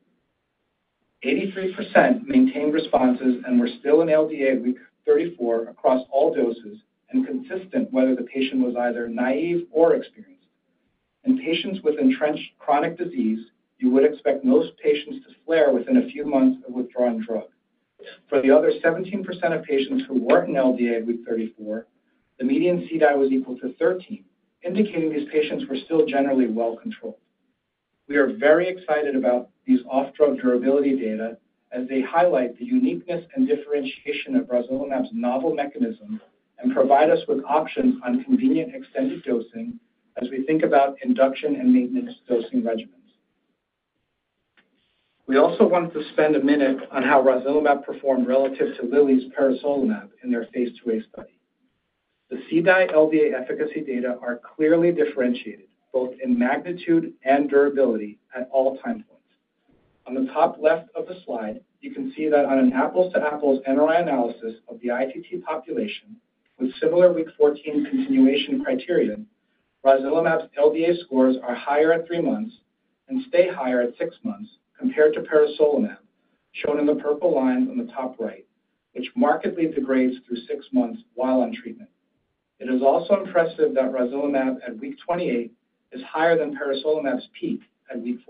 Speaker 3: 83% maintained responses and were still in LDA week 34 across all doses and consistent whether the patient was either naive or experienced. In patients with entrenched chronic disease, you would expect most patients to flare within a few months of withdrawing drug. For the other 17% of patients who weren't in LDA at week 34, the median CDAI was equal to 13, indicating these patients were still generally well controlled. We are very excited about these off-drug durability data as they highlight the uniqueness and differentiation of rosnilimab's novel mechanism and provide us with options on convenient extended dosing as we think about induction and maintenance dosing regimens. We also want to spend a minute on how rosnilimab performed relative to Lilly's peresolimab in their phase two study. The CDAI LDA efficacy data are clearly differentiated both in magnitude and durability at all time points. On the top left of the slide, you can see that on an apples-to-apples NRI analysis of the ITT population with similar week 14 continuation criterion, rosnilimab's LDA scores are higher at three months and stay higher at six months compared to peresolimab, shown in the purple line on the top right, which markedly degrades through six months while on treatment. It is also impressive that rosnilimab at week 28 is higher than peresolimab's peak at week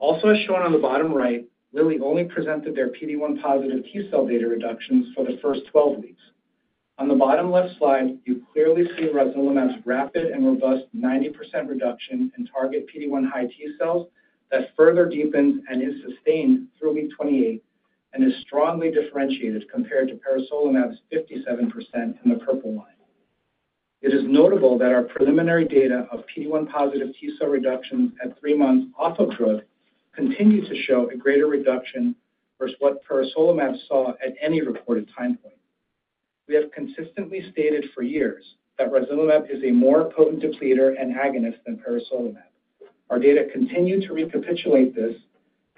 Speaker 3: 14. Also as shown on the bottom right, Lilly only presented their PD-1 positive T cell data reductions for the first 12 weeks. On the bottom left slide, you clearly see rosnilimab's rapid and robust 90% reduction in target PD-1 high T cells that further deepens and is sustained through week 28 and is strongly differentiated compared to peresolimab's 57% in the purple line. It is notable that our preliminary data of PD-1 positive T cell reductions at three months off of drug continue to show a greater reduction versus what peresolimab saw at any reported time point. We have consistently stated for years that rosnilimab is a more potent depleter and agonist than peresolimab. Our data continue to recapitulate this,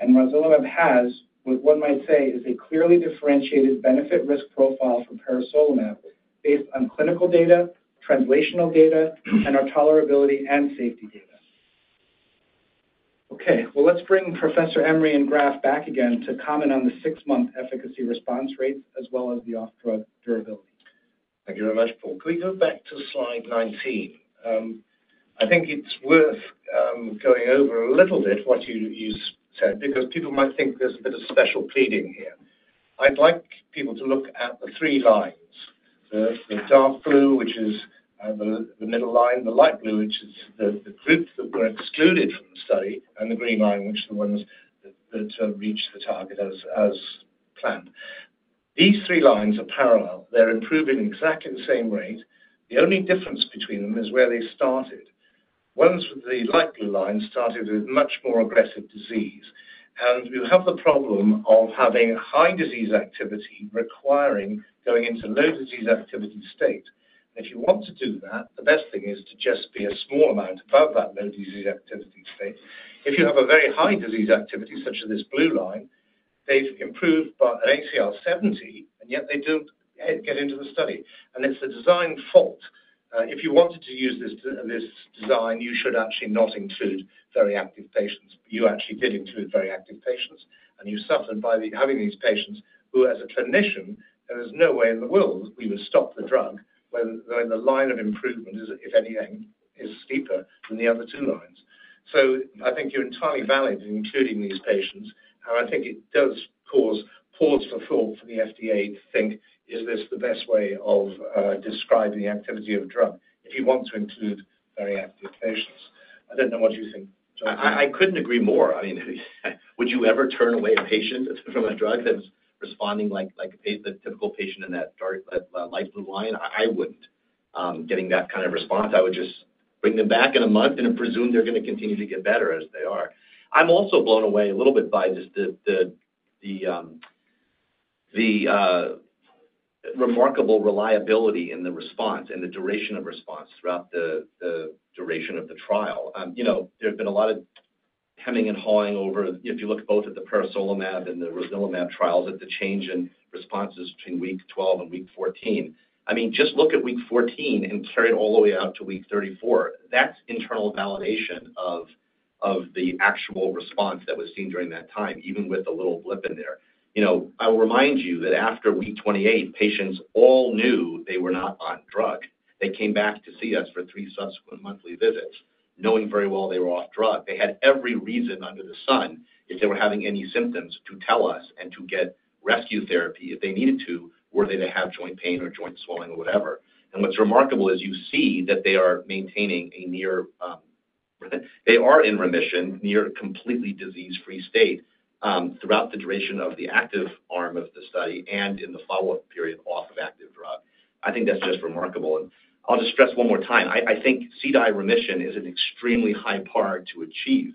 Speaker 3: and rosnilimab has, what one might say, is a clearly differentiated benefit-risk profile for peresolimab based on clinical data, translational data, and our tolerability and safety data. Okay, let's bring Professor Emery and Graf back again to comment on the six-month efficacy response rates as well as the off-drug durability.
Speaker 4: Thank you very much, Paul. Can we go back to slide 19? I think it's worth going over a little bit what you said because people might think there's a bit of special pleading here. I'd like people to look at the three lines. The dark blue, which is the middle line, the light blue, which is the group that were excluded from the study, and the green line, which are the ones that reached the target as planned. These three lines are parallel. They're improving exactly at the same rate. The only difference between them is where they started. Ones with the light blue line started with much more aggressive disease. You have the problem of having high disease activity requiring going into low disease activity state. If you want to do that, the best thing is to just be a small amount above that low disease activity state. If you have a very high disease activity, such as this blue line, they've improved by an ACR70, and yet they do not get into the study. It is the design fault. If you wanted to use this design, you should actually not include very active patients. You actually did include very active patients, and you suffered by having these patients who, as a clinician, there is no way in the world we would stop the drug when the line of improvement, if anything, is steeper than the other two lines. I think you are entirely valid in including these patients. I think it does cause pause for thought for the FDA to think, is this the best way of describing the activity of a drug if you want to include very active patients? I don't know what you think.
Speaker 5: I couldn't agree more. I mean, would you ever turn away a patient from a drug that was responding like the typical patient in that light blue line? I wouldn't. Getting that kind of response, I would just bring them back in a month and presume they're going to continue to get better as they are. I'm also blown away a little bit by the remarkable reliability in the response and the duration of response throughout the duration of the trial. There's been a lot of hemming and hawing over, if you look both at the peresolimab and the rosnilimab trials, at the change in responses between week 12 and week 14. I mean, just look at week 14 and carry it all the way out to week 34. That's internal validation of the actual response that was seen during that time, even with a little blip in there. I will remind you that after week 28, patients all knew they were not on drug. They came back to see us for three subsequent monthly visits, knowing very well they were off drug. They had every reason under the sun, if they were having any symptoms, to tell us and to get rescue therapy if they needed to, were they to have joint pain or joint swelling or whatever. What's remarkable is you see that they are maintaining a near they are in remission, near completely disease-free state throughout the duration of the active arm of the study and in the follow-up period off of active drug. I think that's just remarkable. I'll just stress one more time. I think CDAI remission is an extremely high bar to achieve.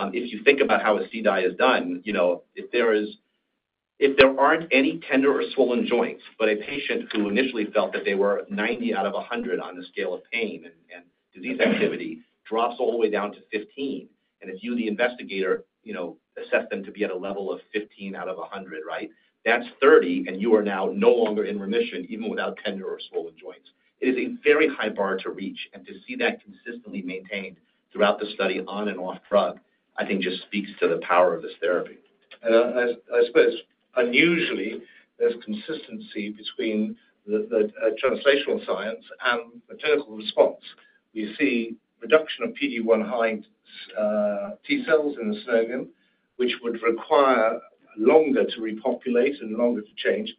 Speaker 5: If you think about how a CDAI is done, if there are not any tender or swollen joints, but a patient who initially felt that they were 90 out of 100 on the scale of pain and disease activity drops all the way down to 15, and it is you, the investigator, assess them to be at a level of 15 out of 100, right? That is 30, and you are now no longer in remission, even without tender or swollen joints. It is a very high bar to reach. To see that consistently maintained throughout the study on and off drug, I think just speaks to the power of this therapy.
Speaker 4: I suppose unusually, there's consistency between the translational science and the clinical response. We see reduction of PD-1 high T cells in the synovium, which would require longer to repopulate and longer to change,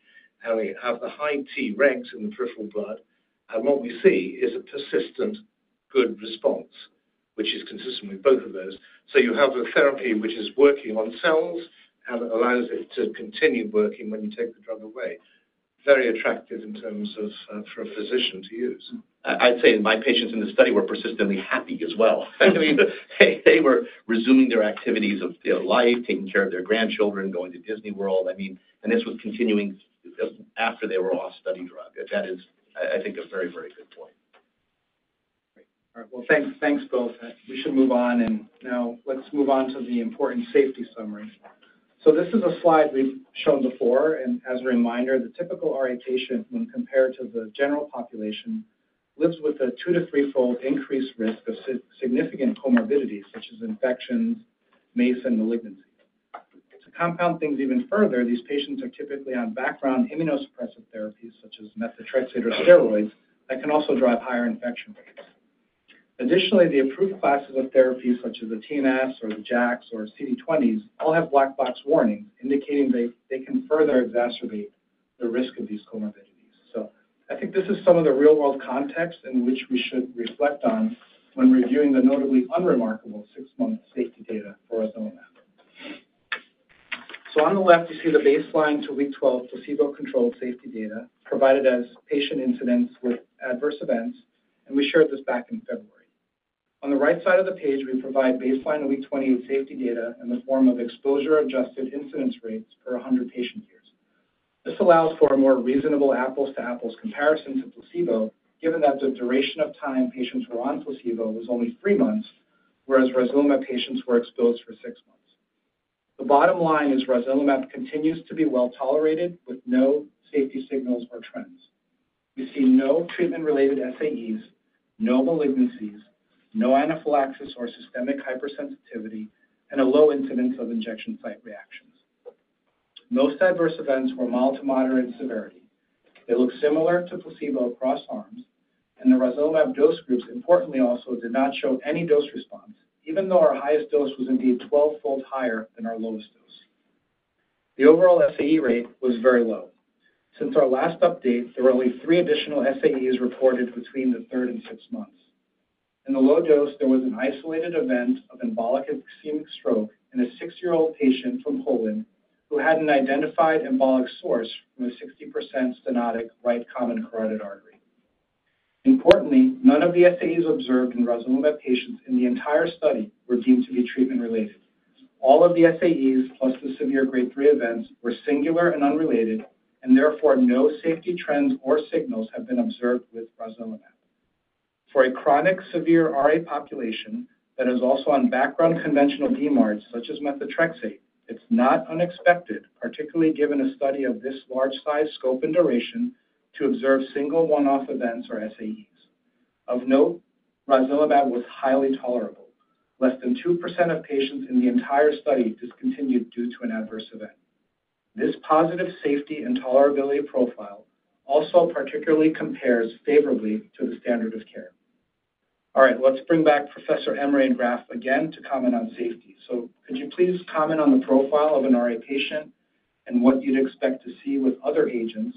Speaker 4: and we have the high Tregs in the peripheral blood. What we see is a persistent good response, which is consistent with both of those. You have a therapy which is working on cells and allows it to continue working when you take the drug away. Very attractive in terms of for a physician to use.
Speaker 5: I'd say my patients in the study were persistently happy as well. I mean, they were resuming their activities of life, taking care of their grandchildren, going to Disney World. I mean, and this was continuing after they were off study drug. That is, I think, a very, very good point.
Speaker 2: Great. All right. Thanks, both. We should move on. Now let's move on to the important safety summary. This is a slide we've shown before. As a reminder, the typical RA patient, when compared to the general population, lives with a two-to three-fold increased risk of significant comorbidities, such as infections, MACE, and malignancy. To compound things even further, these patients are typically on background immunosuppressive therapies, such as methotrexate or steroids, that can also drive higher infection rates. Additionally, the approved classes of therapies, such as the TNFs or the JAKs or CD20s, all have black box warnings indicating they can further exacerbate the risk of these comorbidities. I think this is some of the real-world context in which we should reflect on when reviewing the notably unremarkable six-month safety data for rosnilimab. On the left, you see the baseline to week 12 placebo-controlled safety data provided as patient incidence with adverse events. We shared this back in February. On the right side of the page, we provide baseline to week 28 safety data in the form of exposure-adjusted incidence rates per 100 patient years. This allows for a more reasonable apples-to-apples comparison to placebo, given that the duration of time patients were on placebo was only three months, whereas rosnilimab patients were exposed for six months. The bottom line is rosnilimab continues to be well tolerated with no safety signals or trends. We see no treatment-related SAEs, no malignancies, no anaphylaxis or systemic hypersensitivity, and a low incidence of injection site reactions. Most adverse events were mild to moderate in severity. They look similar to placebo across arms. The rosnilimab dose groups importantly also did not show any dose response, even though our highest dose was indeed 12-fold higher than our lowest dose. The overall SAE rate was very low. Since our last update, there were only three additional SAEs reported between the third and sixth months. In the low dose, there was an isolated event of embolic and ischemic stroke in a sixty-year-old patient from Poland who had an identified embolic source from a 60% stenotic right common carotid artery. Importantly, none of the SAEs observed in rosnilimab patients in the entire study were deemed to be treatment-related. All of the SAEs, plus the severe grade 3 events, were singular and unrelated, and therefore no safety trends or signals have been observed with rosnilimab. For a chronic severe RA population that is also on background conventional DMARDs, such as methotrexate, it's not unexpected, particularly given a study of this large-sized scope and duration, to observe single one-off events or SAEs. Of note, rosnilimab was highly tolerable. Less than 2% of patients in the entire study discontinued due to an adverse event. This positive safety and tolerability profile also particularly compares favorably to the standard of care. All right, let's bring back Professor Emery and Graf again to comment on safety. Could you please comment on the profile of an RA patient and what you'd expect to see with other agents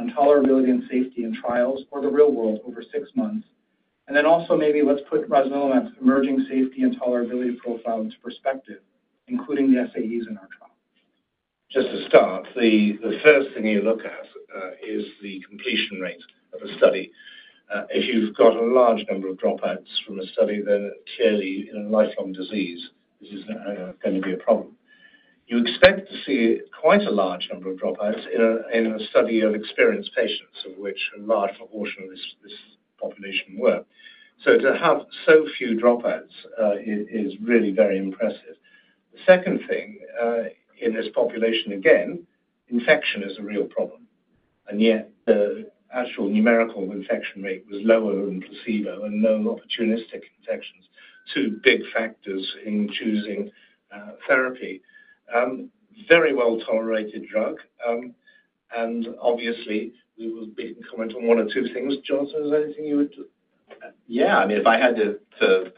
Speaker 2: on tolerability and safety in trials or the real world over six months? Also, maybe let's put rosnilimab's emerging safety and tolerability profile into perspective, including the SAEs in our trial.
Speaker 4: Just to start, the first thing you look at is the completion rate of a study. If you've got a large number of dropouts from a study, then clearly in a lifelong disease, this is going to be a problem. You expect to see quite a large number of dropouts in a study of experienced patients, of which a large proportion of this population were. To have so few dropouts is really very impressive. The second thing in this population, again, infection is a real problem. Yet the actual numerical infection rate was lower than placebo and no opportunistic infections, two big factors in choosing therapy. Very well tolerated drug. Obviously, we will be able to comment on one or two things. Jonathan, is there anything you would?
Speaker 5: Yeah. I mean, if I had to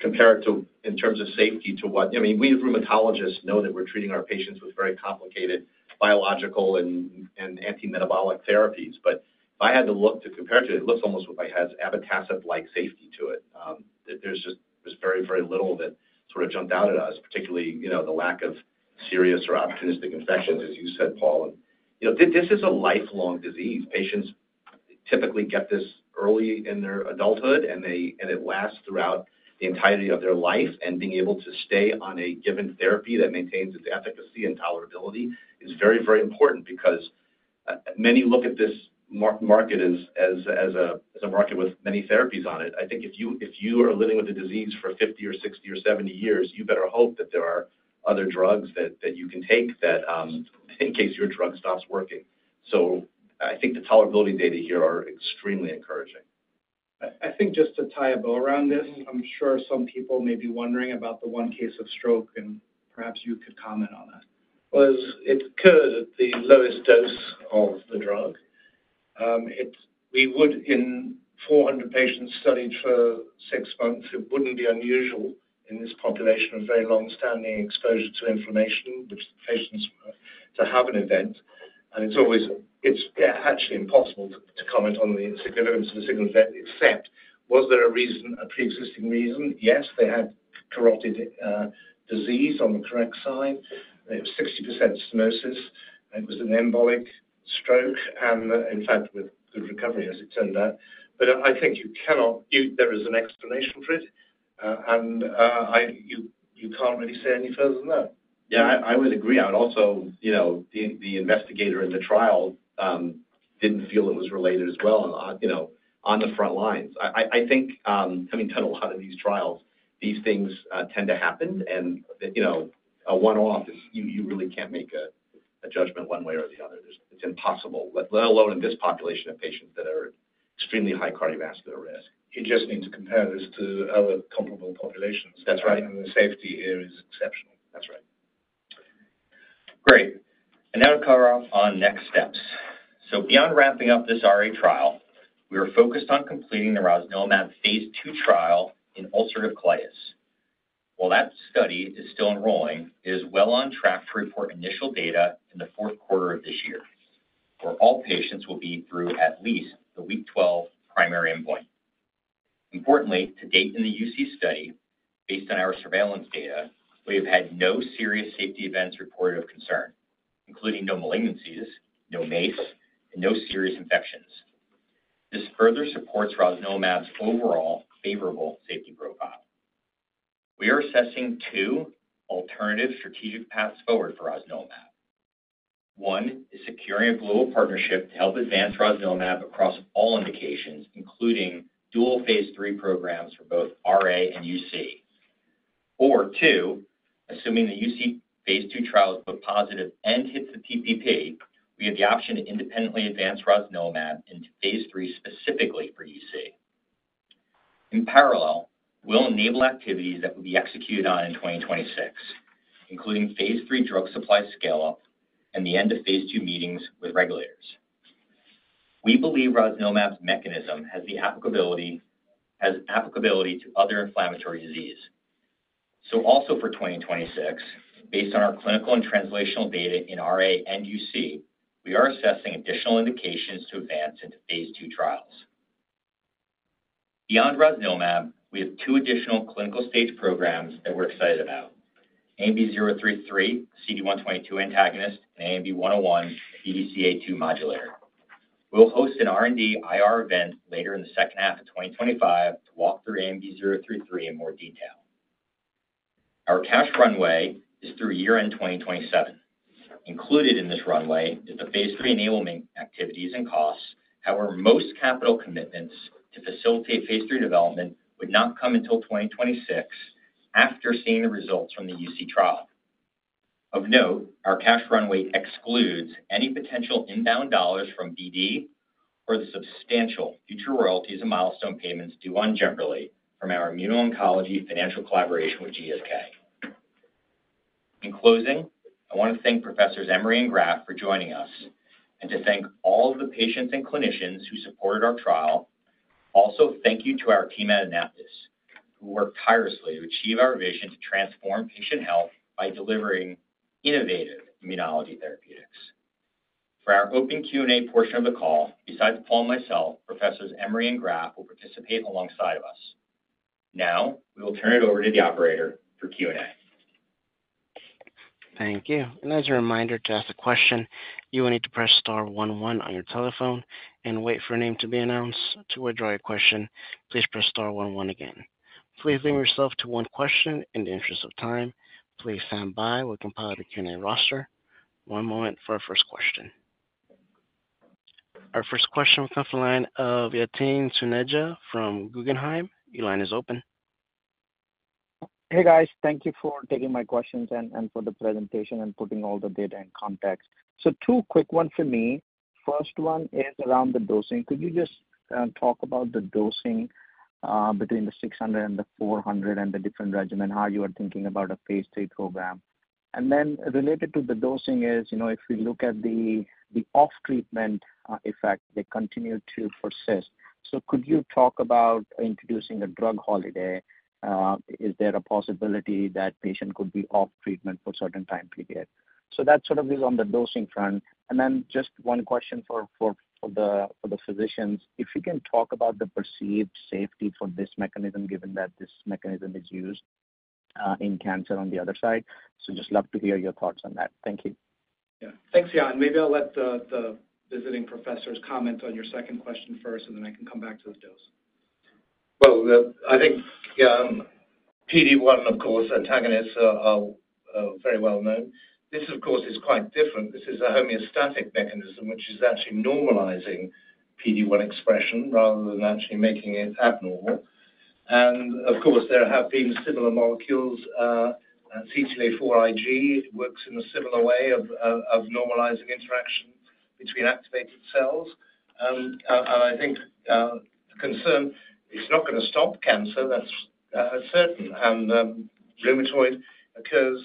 Speaker 5: compare it in terms of safety to what I mean, we as rheumatologists know that we're treating our patients with very complicated biological and anti-metabolic therapies. If I had to look to compare it to it, it looks almost like it has an epitassic-like safety to it. There's just very, very little that sort of jumped out at us, particularly the lack of serious or opportunistic infections, as you said, Paul. This is a lifelong disease. Patients typically get this early in their adulthood, and it lasts throughout the entirety of their life. Being able to stay on a given therapy that maintains its efficacy and tolerability is very, very important because many look at this market as a market with many therapies on it. I think if you are living with a disease for 50 or 60 or 70 years, you better hope that there are other drugs that you can take in case your drug stops working. I think the tolerability data here are extremely encouraging.
Speaker 2: I think just to tie a bow around this, I'm sure some people may be wondering about the one case of stroke, and perhaps you could comment on that.
Speaker 4: It occurred at the lowest dose of the drug. We would, in 400 patients studied for six months, it would not be unusual in this population of very long-standing exposure to inflammation, which the patients to have an event. It is actually impossible to comment on the significance of a single event, except was there a reason, a pre-existing reason? Yes, they had carotid disease on the correct side. It was 60% stenosis. It was an embolic stroke, and in fact, with good recovery, as it turned out. I think there is an explanation for it. You cannot really say any further than that.
Speaker 5: Yeah, I would agree. Also, the investigator in the trial did not feel it was related as well on the front lines. I think, having done a lot of these trials, these things tend to happen. A one-off, you really cannot make a judgment one way or the other. It is impossible, let alone in this population of patients that are extremely high cardiovascular risk.
Speaker 4: You just need to compare this to other comparable populations.
Speaker 5: That's right. IIThe safety here is exceptional.
Speaker 3: That's right. Great. Now to cover off on next steps. Beyond wrapping up this RA trial, we are focused on completing the rosnilimab phase II trial in ulcerative colitis. While that study is still enrolling, it is well on track to report initial data in the fourth quarter of this year, where all patients will be through at least the week 12 primary endpoint. Importantly, to date in the UC study, based on our surveillance data, we have had no serious safety events reported of concern, including no malignancies, no MACE, and no serious infections. This further supports rosnilimab's overall favorable safety profile. We are assessing two alternative strategic paths forward for rosnilimab. One is securing a global partnership to help advance rosnilimab across all indications, including dual phase III programs for both RA and UC. Or two, assuming the UC phase II trial is both positive and hits the PPP, we have the option to independently advance rosnilimab into phase III specifically for UC. In parallel, we'll enable activities that will be executed on in 2026, including phase III drug supply scale-up and the end of phase II meetings with regulators. We believe rosnilimab's mechanism has applicability to other inflammatory disease. Also for 2026, based on our clinical and translational data in RA and UC, we are assessing additional indications to advance into phase II trials. Beyond rosnilimab, we have two additional clinical-stage programs that we're excited about: ANB033, CD122 antagonist, and ANB101, EDCA2 modulator. We'll host an R&D IR event later in the second half of 2025 to walk through ANB033 in more detail. Our cash runway is through year-end 2027. Included in this runway is the phase III enablement activities and costs. However, most capital commitments to facilitate phase III development would not come until 2026 after seeing the results from the UC trial. Of note, our cash runway excludes any potential inbound dollars from BD or the substantial future royalties and milestone payments due on generally from our immuno-oncology financial collaboration with GSK. In closing, I want to thank Professors Emery and Graf for joining us and to thank all of the patients and clinicians who supported our trial. Also, thank you to our team at Anaptys, who worked tirelessly to achieve our vision to transform patient health by delivering innovative immunology therapeutics. For our open Q&A portion of the call, besides Paul and myself, Professors Emery and Graf will participate alongside of us. Now, we will turn it over to the operator for Q&A.
Speaker 1: Thank you. As a reminder, to ask a question, you will need to press star one one on your telephone and wait for a name to be announced. To withdraw your question, please press star one one again. Please limit yourself to one question in the interest of time. Please stand by. We'll compile the Q&A roster. One moment for our first question. Our first question will come from the line of Yatin Suneja from Guggenheim. Your line is open.
Speaker 6: Hey, guys. Thank you for taking my questions and for the presentation and putting all the data in context. Two quick ones for me. First one is around the dosing. Could you just talk about the dosing between the 600 and the 400 and the different regimen, how you are thinking about a phase III program? Related to the dosing is, if we look at the off-treatment effect, they continue to persist. Could you talk about introducing a drug holiday? Is there a possibility that patients could be off treatment for a certain time period? That sort of is on the dosing front. Just one question for the physicians. If you can talk about the perceived safety for this mechanism, given that this mechanism is used in cancer on the other side. Just love to hear your thoughts on that. Thank you.
Speaker 2: Yeah. Thanks, Yan. Maybe I'll let the visiting professors comment on your second question first, and then I can come back to the dose.
Speaker 7: I think, yeah, PD-1, of course, antagonists, are very well known. This, of course, is quite different. This is a homeostatic mechanism, which is actually normalizing PD-1 expression rather than actually making it abnormal. Of course, there have been similar molecules. CTLA4IG works in a similar way of normalizing interaction between activated cells. I think the concern, it's not going to stop cancer. That's certain. Rheumatoid occurs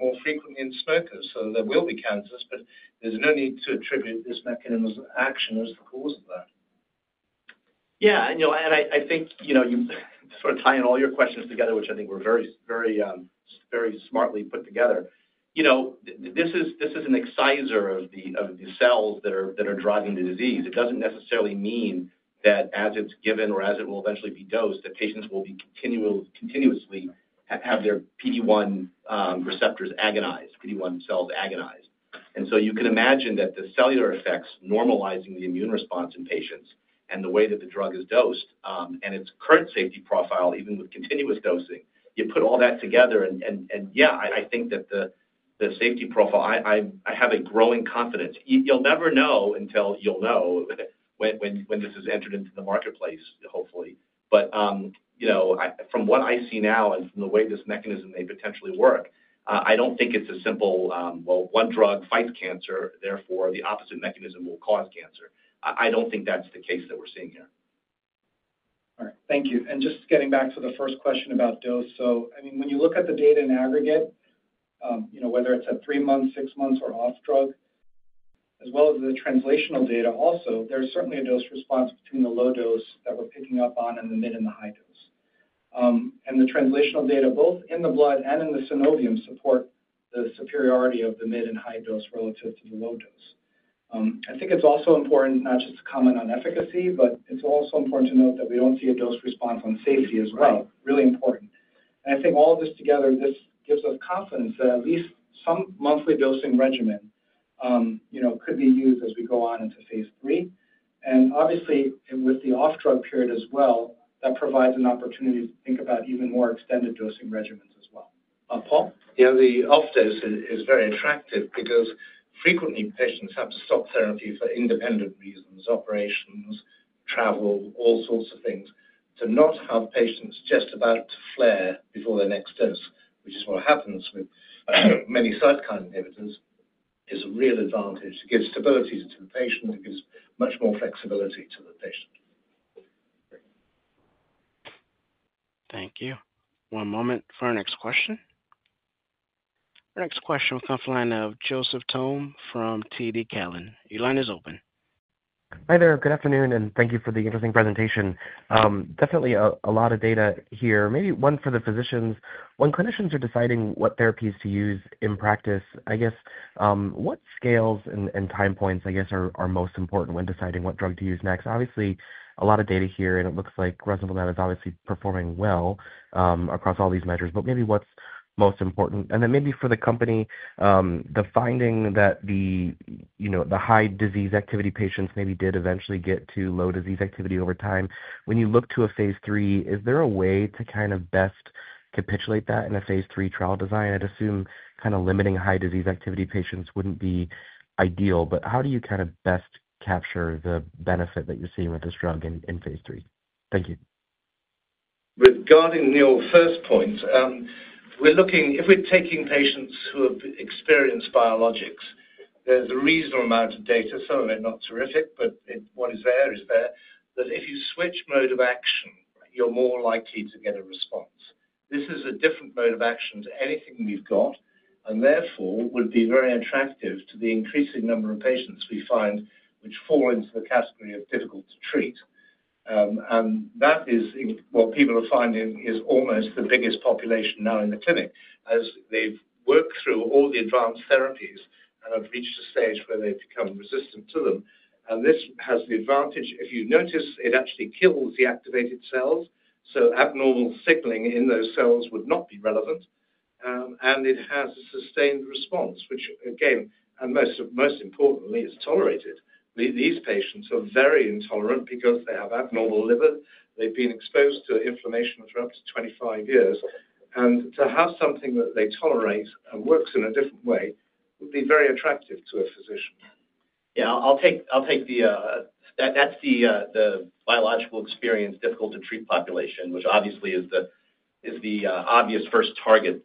Speaker 7: more frequently in smokers. There will be cancers, but there's no need to attribute this mechanism of action as the cause of that.
Speaker 5: Yeah. I think sort of tying all your questions together, which I think were very smartly put together, this is an excisor of the cells that are driving the disease. It does not necessarily mean that as it is given or as it will eventually be dosed, that patients will continuously have their PD-1 receptors agonized, PD-1 cells agonized. You can imagine that the cellular effects normalizing the immune response in patients and the way that the drug is dosed and its current safety profile, even with continuous dosing, you put all that together. I think that the safety profile, I have a growing confidence. You will never know until you will know when this is entered into the marketplace, hopefully. From what I see now and from the way this mechanism may potentially work, I do not think it is a simple, well, one drug fights cancer. Therefore, the opposite mechanism will cause cancer. I don't think that's the case that we're seeing here.
Speaker 2: All right. Thank you. Just getting back to the first question about dose. I mean, when you look at the data in aggregate, whether it's at three months, six months, or off drug, as well as the translational data also, there's certainly a dose response between the low dose that we're picking up on and the mid and the high dose. The translational data, both in the blood and in the synovium, support the superiority of the mid and high dose relative to the low dose. I think it's also important not just to comment on efficacy, but it's also important to note that we don't see a dose response on safety as well. Really important. I think all of this together, this gives us confidence that at least some monthly dosing regimen could be used as we go on into phase III. Obviously, with the off drug period as well, that provides an opportunity to think about even more extended dosing regimens as well. Paul?
Speaker 3: Yeah. The off dose is very attractive because frequently patients have to stop therapy for independent reasons, operations, travel, all sorts of things. To not have patients just about to flare before their next dose, which is what happens with many cytokine inhibitors, is a real advantage. It gives stability to the patient. It gives much more flexibility to the patient.
Speaker 1: Thank you. One moment for our next question. Our next question will come from the line of Joseph Thome from TD Cowen. Your line is open.
Speaker 8: Hi there. Good afternoon. Thank you for the interesting presentation. Definitely a lot of data here. Maybe one for the physicians. When clinicians are deciding what therapies to use in practice, I guess, what scales and time points, I guess, are most important when deciding what drug to use next? Obviously, a lot of data here, and it looks like rosnilimab is obviously performing well across all these measures. Maybe what's most important? Then maybe for the company, the finding that the high disease activity patients maybe did eventually get to low disease activity over time. When you look to a phase III, is there a way to kind of best capitulate that in a phase 3 trial design? I'd assume kind of limiting high disease activity patients wouldn't be ideal. How do you kind of best capture the benefit that you're seeing with this drug in phase III? Thank you.
Speaker 4: Regarding your first point, if we're taking patients who have experienced biologics, there's a reasonable amount of data. Some of it not terrific, but what is there is there. If you switch mode of action, you're more likely to get a response. This is a different mode of action to anything we've got, and therefore would be very attractive to the increasing number of patients we find which fall into the category of difficult to treat. That is what people are finding is almost the biggest population now in the clinic as they've worked through all the advanced therapies and have reached a stage where they've become resistant to them. This has the advantage, if you notice, it actually kills the activated cells. Abnormal signaling in those cells would not be relevant. It has a sustained response, which, again, and most importantly, is tolerated. These patients are very intolerant because they have abnormal liver. They've been exposed to inflammation for up to 25 years. To have something that they tolerate and works in a different way would be very attractive to a physician.
Speaker 5: Yeah. I'll take the biological experience difficult to treat population, which obviously is the obvious first target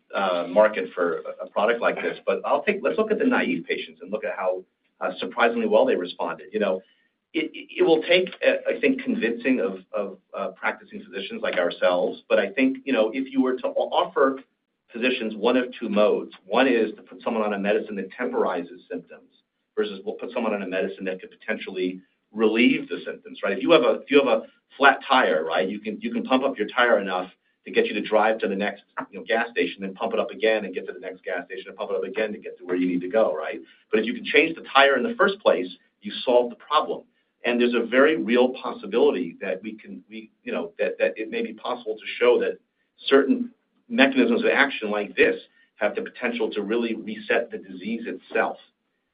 Speaker 5: market for a product like this. Let's look at the naive patients and look at how surprisingly well they responded. It will take, I think, convincing of practicing physicians like ourselves. I think if you were to offer physicians one of two modes. One is to put someone on a medicine that temporizes symptoms versus we'll put someone on a medicine that could potentially relieve the symptoms, right? If you have a flat tire, you can pump up your tire enough to get you to drive to the next gas station and pump it up again and get to the next gas station and pump it up again to get to where you need to go, right? If you can change the tire in the first place, you solve the problem. There is a very real possibility that it may be possible to show that certain mechanisms of action like this have the potential to really reset the disease itself.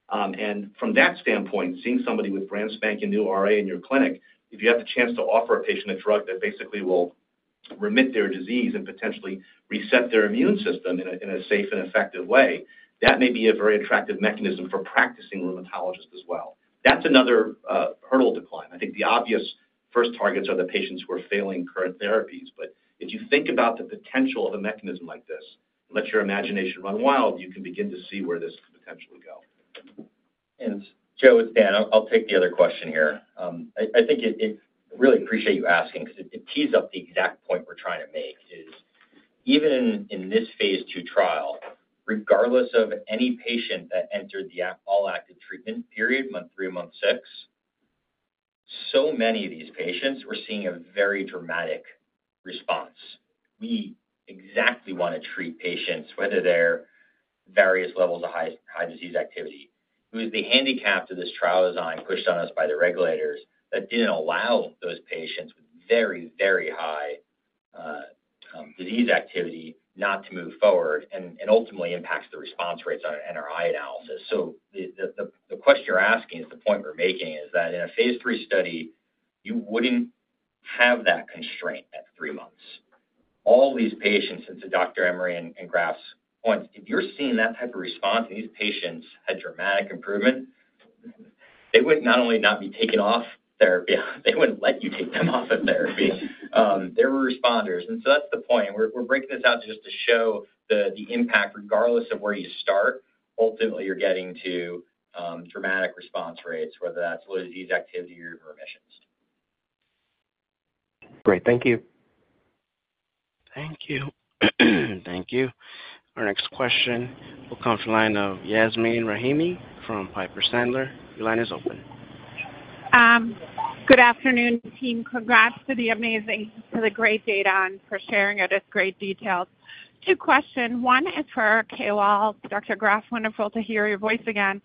Speaker 5: From that standpoint, seeing somebody with brand spanking new RA in your clinic, if you have the chance to offer a patient a drug that basically will remit their disease and potentially reset their immune system in a safe and effective way, that may be a very attractive mechanism for practicing rheumatologists as well. That is another hurdle to climb. I think the obvious first targets are the patients who are failing current therapies. If you think about the potential of a mechanism like this and let your imagination run wild, you can begin to see where this could potentially go.
Speaker 2: And Joe, it's Dan. I'll take the other question here. I really appreciate you asking because it tees up the exact point we're trying to make is even in this phase II trial, regardless of any patient that entered the all-active treatment period, month 3 and month 6, so many of these patients were seeing a very dramatic response. We exactly want to treat patients, whether they're various levels of high disease activity. It was the handicap to this trial design pushed on us by the regulators that didn't allow those patients with very, very high disease activity not to move forward and ultimately impacts the response rates on an NRI analysis. The question you're asking is the point we're making is that in a phase III study, you wouldn't have that constraint at three months. All these patients, since Dr. Emery and Graf's point, if you're seeing that type of response and these patients had dramatic improvement, they wouldn't not only not be taken off therapy, they wouldn't let you take them off of therapy. They were responders. That's the point. We're breaking this out just to show the impact regardless of where you start, ultimately you're getting to dramatic response rates, whether that's low disease activity or remissions.
Speaker 1: Great. Thank you. Our next question will come from the line of Yasmeen Rahimi from Piper Sandler. Your line is open.
Speaker 9: Good afternoon, team. Congrats to the amazing, to the great data and for sharing it with great detail. Two questions. One is for Kahlal. Dr. Graf, wonderful to hear your voice again.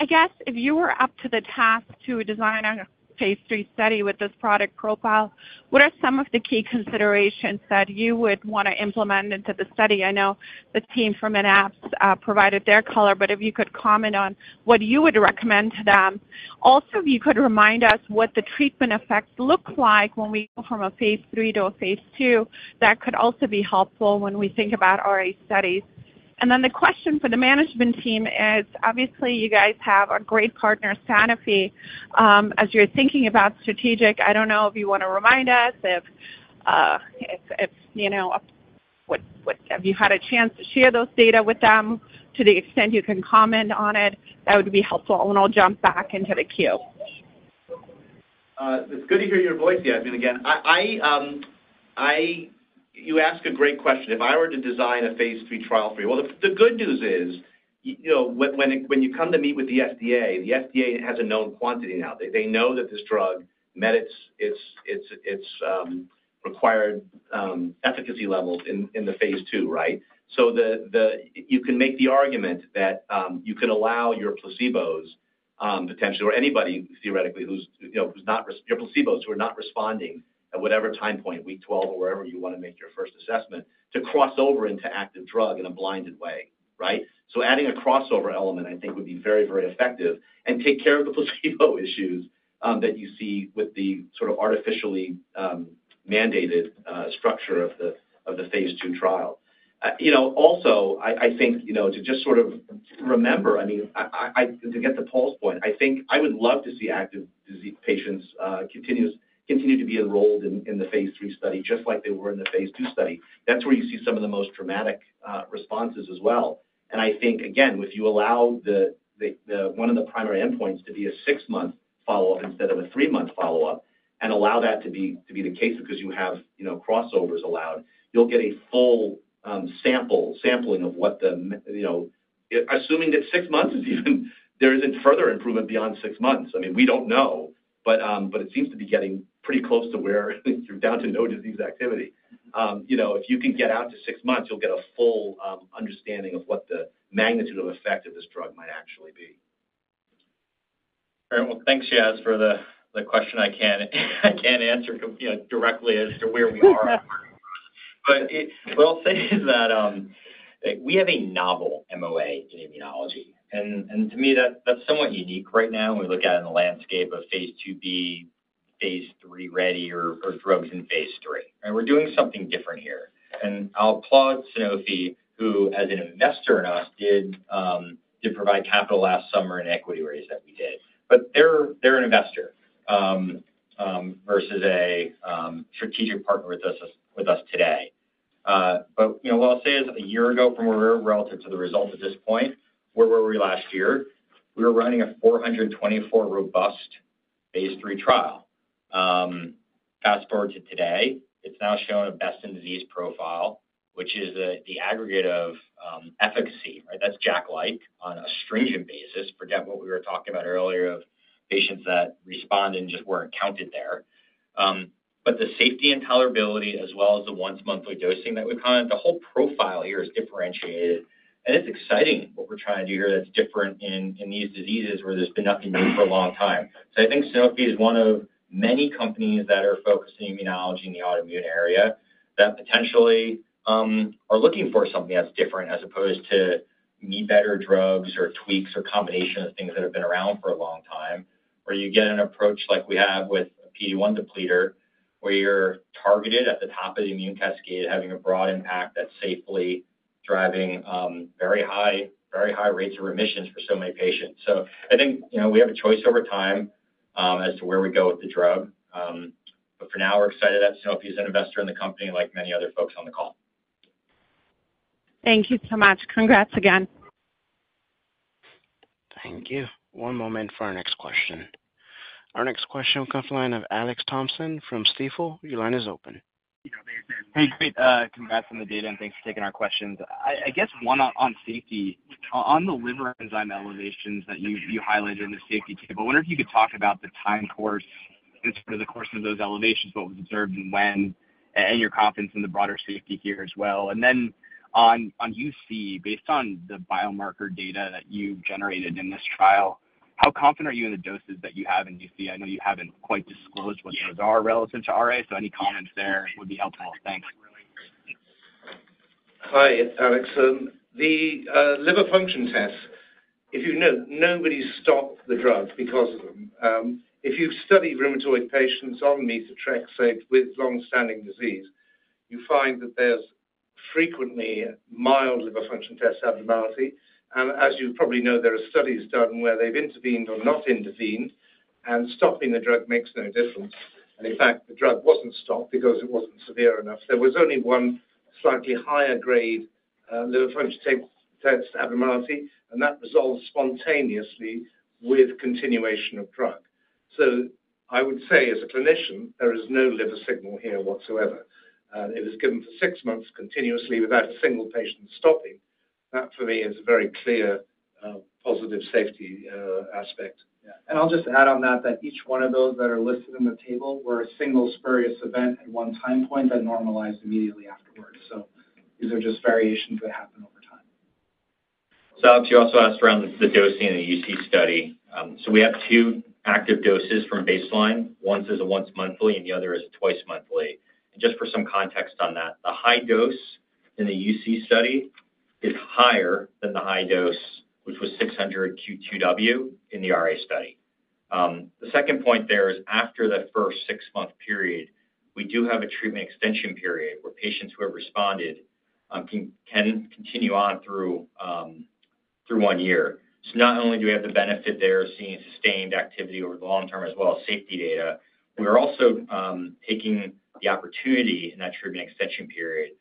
Speaker 9: I guess if you were up to the task to design a phase III study with this product profile, what are some of the key considerations that you would want to implement into the study? I know the team from Anaptys provided their color, but if you could comment on what you would recommend to them. Also, if you could remind us what the treatment effects look like when we go from a phase III to a phase II, that could also be helpful when we think about RA studies. And then the question for the management team is, obviously, you guys have a great partner, Sanofi. As you're thinking about strategic, I don't know if you want to remind us if have you had a chance to share those data with them to the extent you can comment on it? That would be helpful. I'll jump back into the queue.
Speaker 5: It's good to hear your voice, Yasmeen, again. You ask a great question. If I were to design a phase III trial for you, the good news is when you come to meet with the FDA, the FDA has a known quantity now. They know that this drug met its required efficacy levels in the phase II, right? You can make the argument that you can allow your placebos potentially, or anybody theoretically who's not your placebos who are not responding at whatever time point, week 12 or wherever you want to make your first assessment, to cross over into active drug in a blinded way, right? Adding a crossover element, I think, would be very, very effective and take care of the placebo issues that you see with the sort of artificially mandated structure of the phase II trial. Also, I think to just sort of remember, I mean, to get to Paul's point, I think I would love to see active patients continue to be enrolled in the phase III study just like they were in the phase II study. That's where you see some of the most dramatic responses as well. I think, again, if you allow one of the primary endpoints to be a six-month follow-up instead of a three-month follow-up and allow that to be the case because you have crossovers allowed, you'll get a full sampling of what the assuming that six months is even there isn't further improvement beyond six months. I mean, we don't know, but it seems to be getting pretty close to where you're down to no disease activity. If you can get out to six months, you'll get a full understanding of what the magnitude of effect of this drug might actually be.
Speaker 3: All right. Thanks, Yaz, for the question. I can't answer directly as to where we are. What I'll say is that we have a novel MOA in immunology. To me, that's somewhat unique right now when we look at it in the landscape of phase 2B, phase III ready, or drugs in phase III. We're doing something different here. I'll applaud Sanofi, who as an investor in us did provide capital last summer in the equity raise that we did. They're an investor versus a strategic partner with us today. What I'll say is a year ago from where we're relative to the result at this point, where were we last year? We were running a 424 robust phase III trial. Fast forward to today, it's now shown a best-in-disease profile, which is the aggregate of efficacy, right? That's JAK-like on a stringent basis. Forget what we were talking about earlier of patients that respond and just weren't counted there. The safety and tolerability, as well as the once-monthly dosing that we've commented, the whole profile here is differentiated. It's exciting what we're trying to do here that's different in these diseases where there's been nothing new for a long time. I think Sanofi is one of many companies that are focusing immunology in the autoimmune area that potentially are looking for something that's different as opposed to me-too drugs or tweaks or combinations of things that have been around for a long time, where you get an approach like we have with a PD-1 depleter where you're targeted at the top of the immune cascade, having a broad impact that's safely driving very high rates of remissions for so many patients. I think we have a choice over time as to where we go with the drug. For now, we're excited that Sanofi is an investor in the company like many other folks on the call.
Speaker 9: Thank you so much. Congrats again.
Speaker 1: Thank you. One moment for our next question. Our next question will come from the line of Alex Thompson from Stifel. Your line is open.
Speaker 7: Hey, great. Congrats on the data, and thanks for taking our questions. I guess one on safety. On the liver enzyme elevations that you highlighted in the safety table, I wonder if you could talk about the time course and sort of the course of those elevations, what was observed and when, and your confidence in the broader safety here as well. On UC, based on the biomarker data that you generated in this trial, how confident are you in the doses that you have in UC? I know you have not quite disclosed what those are relative to RA, so any comments there would be helpful. Thanks.
Speaker 4: Hi, Alex. The liver function tests, nobody stopped the drug because of them. If you study rheumatoid patients on methotrexate with long-standing disease, you find that there's frequently mild liver function test abnormality. As you probably know, there are studies done where they've intervened or not intervened, and stopping the drug makes no difference. In fact, the drug wasn't stopped because it wasn't severe enough. There was only one slightly higher-grade liver function test abnormality, and that resolved spontaneously with continuation of drug. I would say as a clinician, there is no liver signal here whatsoever. It was given for six months continuously without a single patient stopping. That for me is a very clear positive safety aspect.
Speaker 3: Yeah. I'll just add on that each one of those that are listed in the table were a single spurious event at one time point that normalized immediately afterwards. These are just variations that happen over time.
Speaker 5: Alex, you also asked around the dosing in the UC study. We have two active doses from baseline. One is a once-monthly, and the other is twice-monthly. Just for some context on that, the high dose in the UC study is higher than the high dose, which was 600 Q2W in the RA study. The second point there is after the first six-month period, we do have a treatment extension period where patients who have responded can continue on through one year. Not only do we have the benefit there of seeing sustained activity over the long term as well as safety data, we're also taking the opportunity in that treatment extension period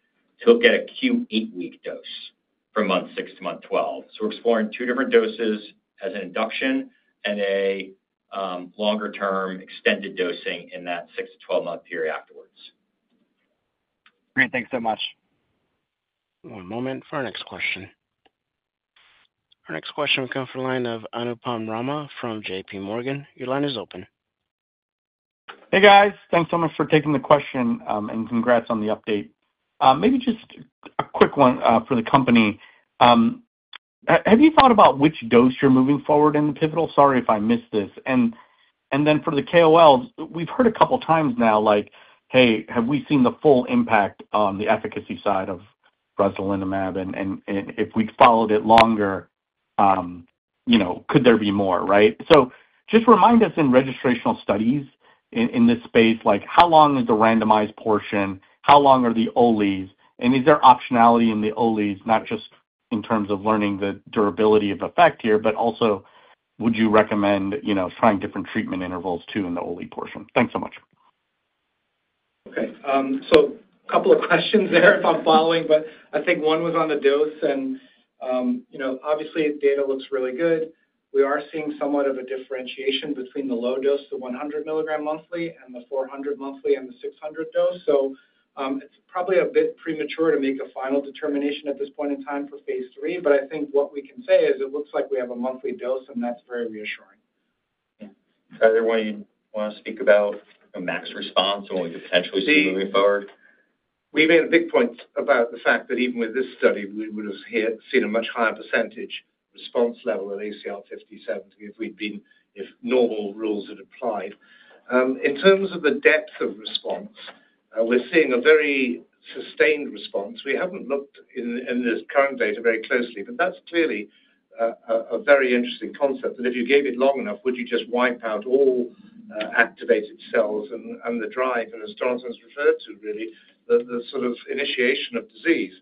Speaker 5: to look at a Q8-week dose from month6-month 12. We're exploring two different doses as an induction and a longer-term extended dosing in that 6-12-month period afterwards.
Speaker 7: Great. Thanks so much.
Speaker 1: One moment for our next question. Our next question will come from the line of Anupam Rama from JP Morgan. Your line is open.
Speaker 10: Hey, guys. Thanks so much for taking the question, and congrats on the update. Maybe just a quick one for the company. Have you thought about which dose you're moving forward in the pivotal? Sorry if I missed this. For the KOLs, we've heard a couple of times now like, "Hey, have we seen the full impact on the efficacy side of rosnilimab?" If we followed it longer, could there be more, right? Just remind us in registrational studies in this space, how long is the randomized portion? How long are the OLEs? Is there optionality in the OLEs, not just in terms of learning the durability of effect here, but also would you recommend trying different treatment intervals too in the OLE portion? Thanks so much.
Speaker 5: Okay. A couple of questions there if I'm following, but I think one was on the dose. Obviously, data looks really good. We are seeing somewhat of a differentiation between the low dose, the 100 milligram monthly, and the 400 monthly and the 600 dose. It's probably a bit premature to make a final determination at this point in time for phase 3, but I think what we can say is it looks like we have a monthly dose, and that's very reassuring.
Speaker 10: Yeah. Is that the way you want to speak about max response and what we could potentially see moving forward?
Speaker 4: We made a big point about the fact that even with this study, we would have seen a much higher perecentage response level at ACR20 if normal rules had applied. In terms of the depth of response, we're seeing a very sustained response. We haven't looked in this current data very closely, but that's clearly a very interesting concept. If you gave it long enough, would you just wipe out all activated cells and the drive? As Jonathan's referred to, really, the sort of initiation of disease.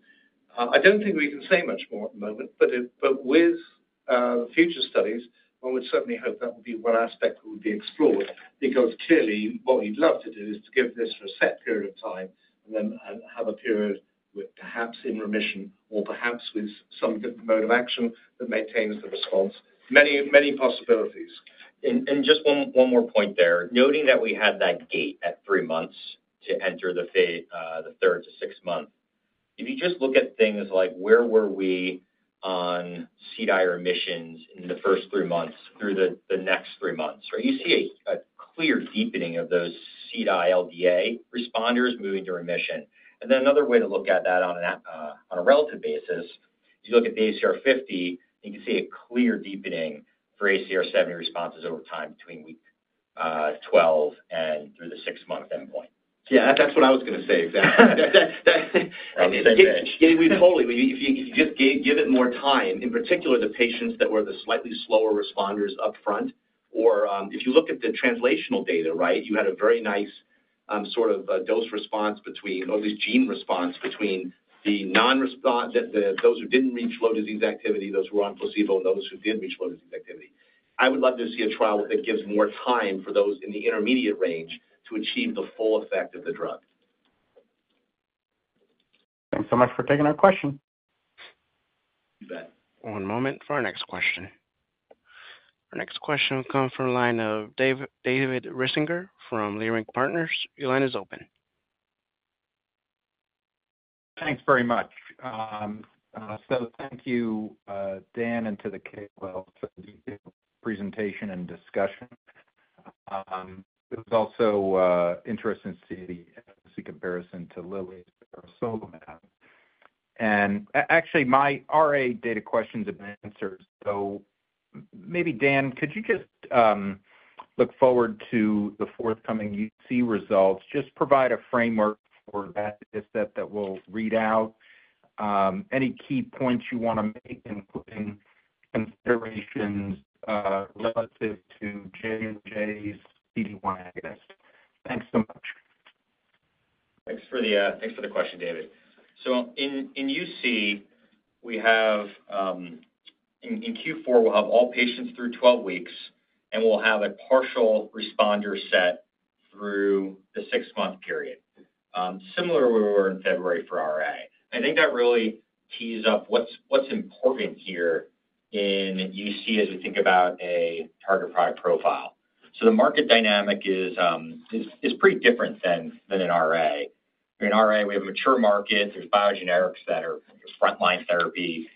Speaker 4: I don't think we can say much more at the moment, but with future studies, one would certainly hope that would be one aspect that would be explored because clearly what we'd love to do is to give this a set period of time and then have a period with perhaps in remission or perhaps with some good mode of action that maintains the response. Many possibilities.
Speaker 5: Just one more point there. Noting that we had that gate at three months to enter the third to sixth month, if you just look at things like where were we on CDAI remissions in the first three months through the next three months, right? You see a clear deepening of those CDAI LDA responders moving to remission. Another way to look at that on a relative basis, you look at the ACR50, you can see a clear deepening for ACR70 responses over time between week 12 and through the six-month endpoint.
Speaker 9: Yeah, that's what I was going to say.
Speaker 5: Totally. If you just give it more time, in particular, the patients that were the slightly slower responders upfront, or if you look at the translational data, right, you had a very nice sort of dose response between, or at least gene response, between those who did not reach low disease activity, those who were on placebo, and those who did reach low disease activity. I would love to see a trial that gives more time for those in the intermediate range to achieve the full effect of the drug.
Speaker 10: Thanks so much for taking our question.
Speaker 5: You bet.
Speaker 1: One moment for our next question. Our next question will come from the line of David Risinger from Leerink Partners. Your line is open.
Speaker 11: Thanks very much. Thank you, Dan, and to the KOL for the presentation and discussion. It was also interesting to see the efficacy comparison to Lilly or peresolimab. Actually, my RA data questions have been answered. Maybe, Dan, could you just look forward to the forthcoming UC results? Just provide a framework for that data set that will read out. Any key points you want to make, including considerations relative to J&J's PD-1 agonist? Thanks so much.
Speaker 2: Thanks for the question, David. In UC, in Q4, we'll have all patients through 12 weeks, and we'll have a partial responder set through the six-month period, similar to where we were in February for RA. I think that really tees up what's important here in UC as we think about a target product profile. The market dynamic is pretty different than in RA. In RA, we have a mature market. There are biogenetics that are frontline therapy.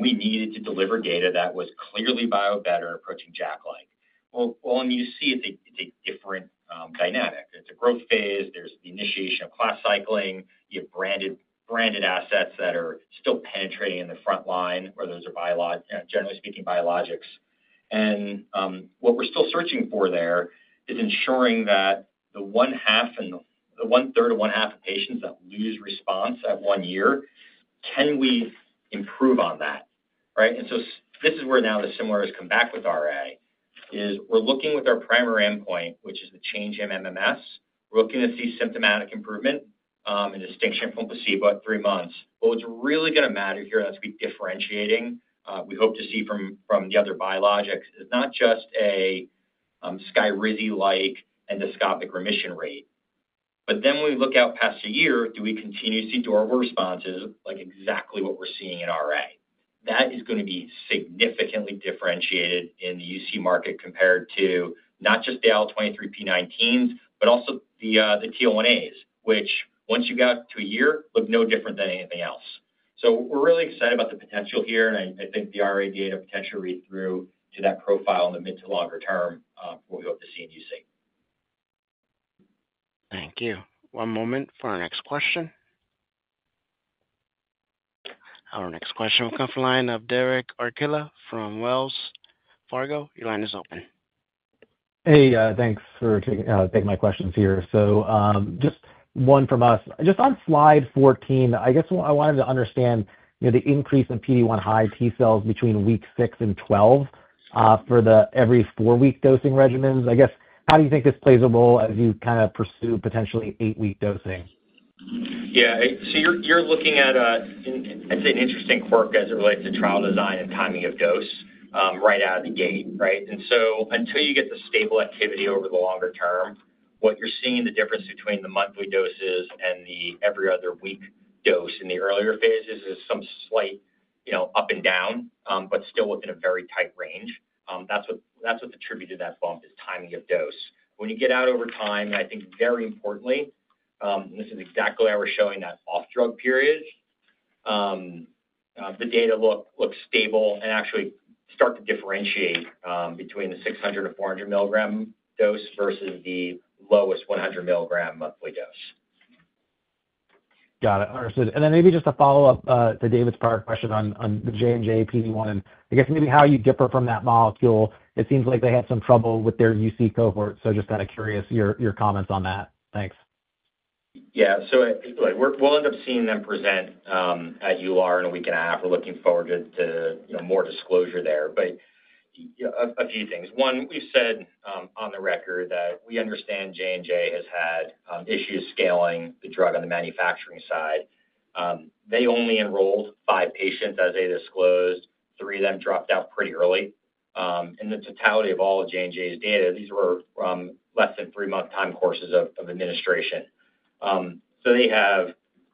Speaker 2: We needed to deliver data that was clearly bio-better and approaching Jack Like. In UC, it's a different dynamic. It's a growth phase. There's the initiation of class cycling. You have branded assets that are still penetrating in the front line, whether it's generally speaking biologics. What we're still searching for there is ensuring that the 1/3 to 1/2 of patients that lose response at one year, can we improve on that, right? This is where now the similar has come back with RA, is we're looking with our primary endpoint, which is the change in MMS. We're looking to see symptomatic improvement and distinction from placebo at three months. What's really going to matter here, and that's we're differentiating, we hope to see from the other biologics, is not just a Skyrizzi-like endoscopic remission rate. When we look out past a year, do we continuously do our responses like exactly what we're seeing in RA? That is going to be significantly differentiated in the UC market compared to not just the L23P19s, but also the TL1As, which once you got to a year, look no different than anything else. We're really excited about the potential here, and I think the RA data potentially read through to that profile in the mid to longer term for what we hope to see in UC.
Speaker 1: Thank you. One moment for our next question. Our next question will come from the line of Derek Archila from Wells Fargo. Your line is open.
Speaker 12: Hey, thanks for taking my questions here. Just one from us. Just on slide 14, I guess I wanted to understand the increase in PD-1 high T cells between week 6 and 12 for the every four-week dosing regimens. I guess, how do you think this plays a role as you kind of pursue potentially eight-week dosing?
Speaker 2: Yeah. You're looking at, I'd say, an interesting quirk as it relates to trial design and timing of dose right out of the gate, right? Until you get the stable activity over the longer term, what you're seeing, the difference between the monthly doses and the every other week dose in the earlier phases is some slight up and down, but still within a very tight range. That's what's attributed to that bump is timing of dose. When you get out over time, and I think very importantly, this is exactly what we're showing, that off-drug period, the data look stable and actually start to differentiate between the 600 and 400 milligram dose versus the lowest 100 milligram monthly dose.
Speaker 12: Got it. Understood. Maybe just a follow-up to David's prior question on the J&J PD-1, and I guess maybe how you differ from that molecule. It seems like they had some trouble with their UC cohort, so just kind of curious your comments on that. Thanks.
Speaker 2: Yeah. We'll end up seeing them present at UR in a week and a half. We're looking forward to more disclosure there. A few things. One, we've said on the record that we understand J&J has had issues scaling the drug on the manufacturing side. They only enrolled five patients, as they disclosed. Three of them dropped out pretty early. In the totality of all of J&J's data, these were less than three-month time courses of administration. They have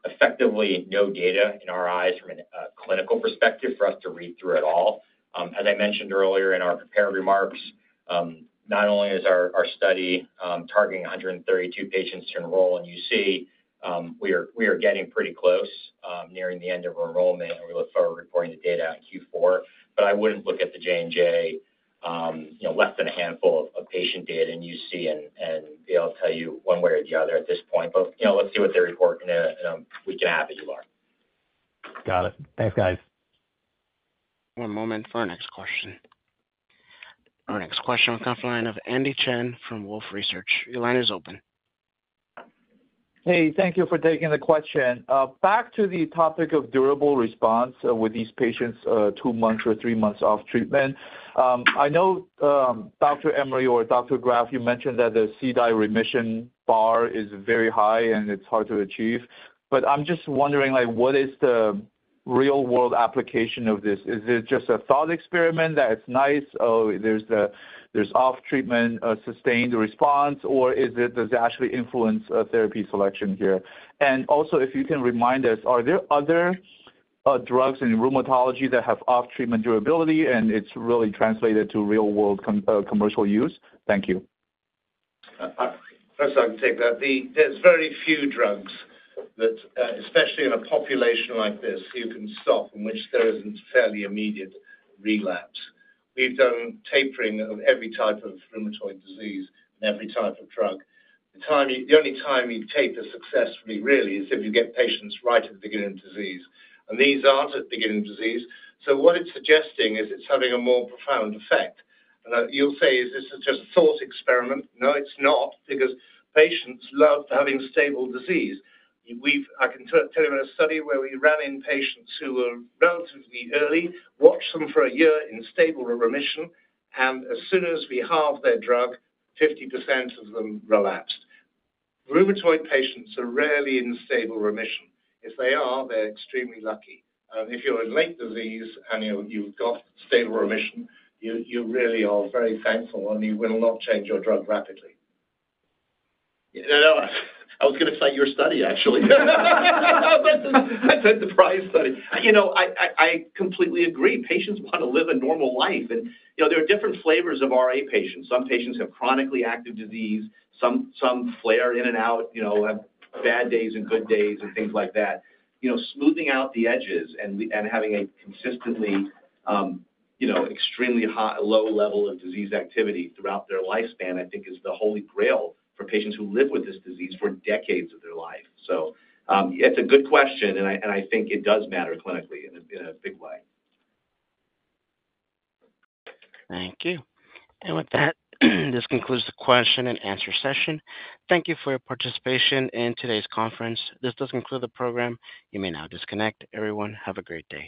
Speaker 2: effectively no data in our eyes from a clinical perspective for us to read through at all. As I mentioned earlier in our prepared remarks, not only is our study targeting 132 patients to enroll in UC, we are getting pretty close, nearing the end of enrollment, and we look forward to reporting the data in Q4. I wouldn't look at the J&J less than a handful of patient data in UC, and I'll tell you one way or the other at this point. Let's see what they report in a week and a half at UR.
Speaker 12: Got it. Thanks, guys.
Speaker 1: One moment for our next question. Our next question will come from the line of Andy Chen from Wolfe Research. Your line is open.
Speaker 13: Hey, thank you for taking the question. Back to the topic of durable response with these patients two months or three months off treatment. I know Dr. Emery or Dr. Graf, you mentioned that the CDAI remission bar is very high, and it's hard to achieve. I'm just wondering, what is the real-world application of this? Is it just a thought experiment that it's nice? Oh, there's off-treatment sustained response, or does it actually influence therapy selection here? Also, if you can remind us, are there other drugs in rheumatology that have off-treatment durability, and it's really translated to real-world commercial use? Thank you.
Speaker 4: I'm sorry to take that. There's very few drugs that, especially in a population like this, you can stop in which there isn't a fairly immediate relapse. We've done tapering of every type of rheumatoid disease and every type of drug. The only time you taper successfully, really, is if you get patients right at the beginning of disease. These aren't at the beginning of disease. What it's suggesting is it's having a more profound effect. You'll say, "Is this just a thought experiment?" No, it's not, because patients love having stable disease. I can tell you about a study where we ran in patients who were relatively early, watched them for a year in stable remission, and as soon as we halved their drug, 50% of them relapsed. Rheumatoid patients are rarely in stable remission. If they are, they're extremely lucky. If you're in late disease and you've got stable remission, you really are very thankful, and you will not change your drug rapidly. I was going to cite your study, actually. I said the prior study. I completely agree. Patients want to live a normal life. There are different flavors of RA patients. Some patients have chronically active disease. Some flare in and out, have bad days and good days and things like that. Smoothing out the edges and having a consistently extremely low level of disease activity throughout their lifespan, I think, is the holy grail for patients who live with this disease for decades of their life. It is a good question, and I think it does matter clinically in a big way.
Speaker 1: Thank you. And with that, this concludes the question-and-answer session. Thank you for your participation in today's conference. This does conclude the program. You may now disconnect. Everyone, have a great day.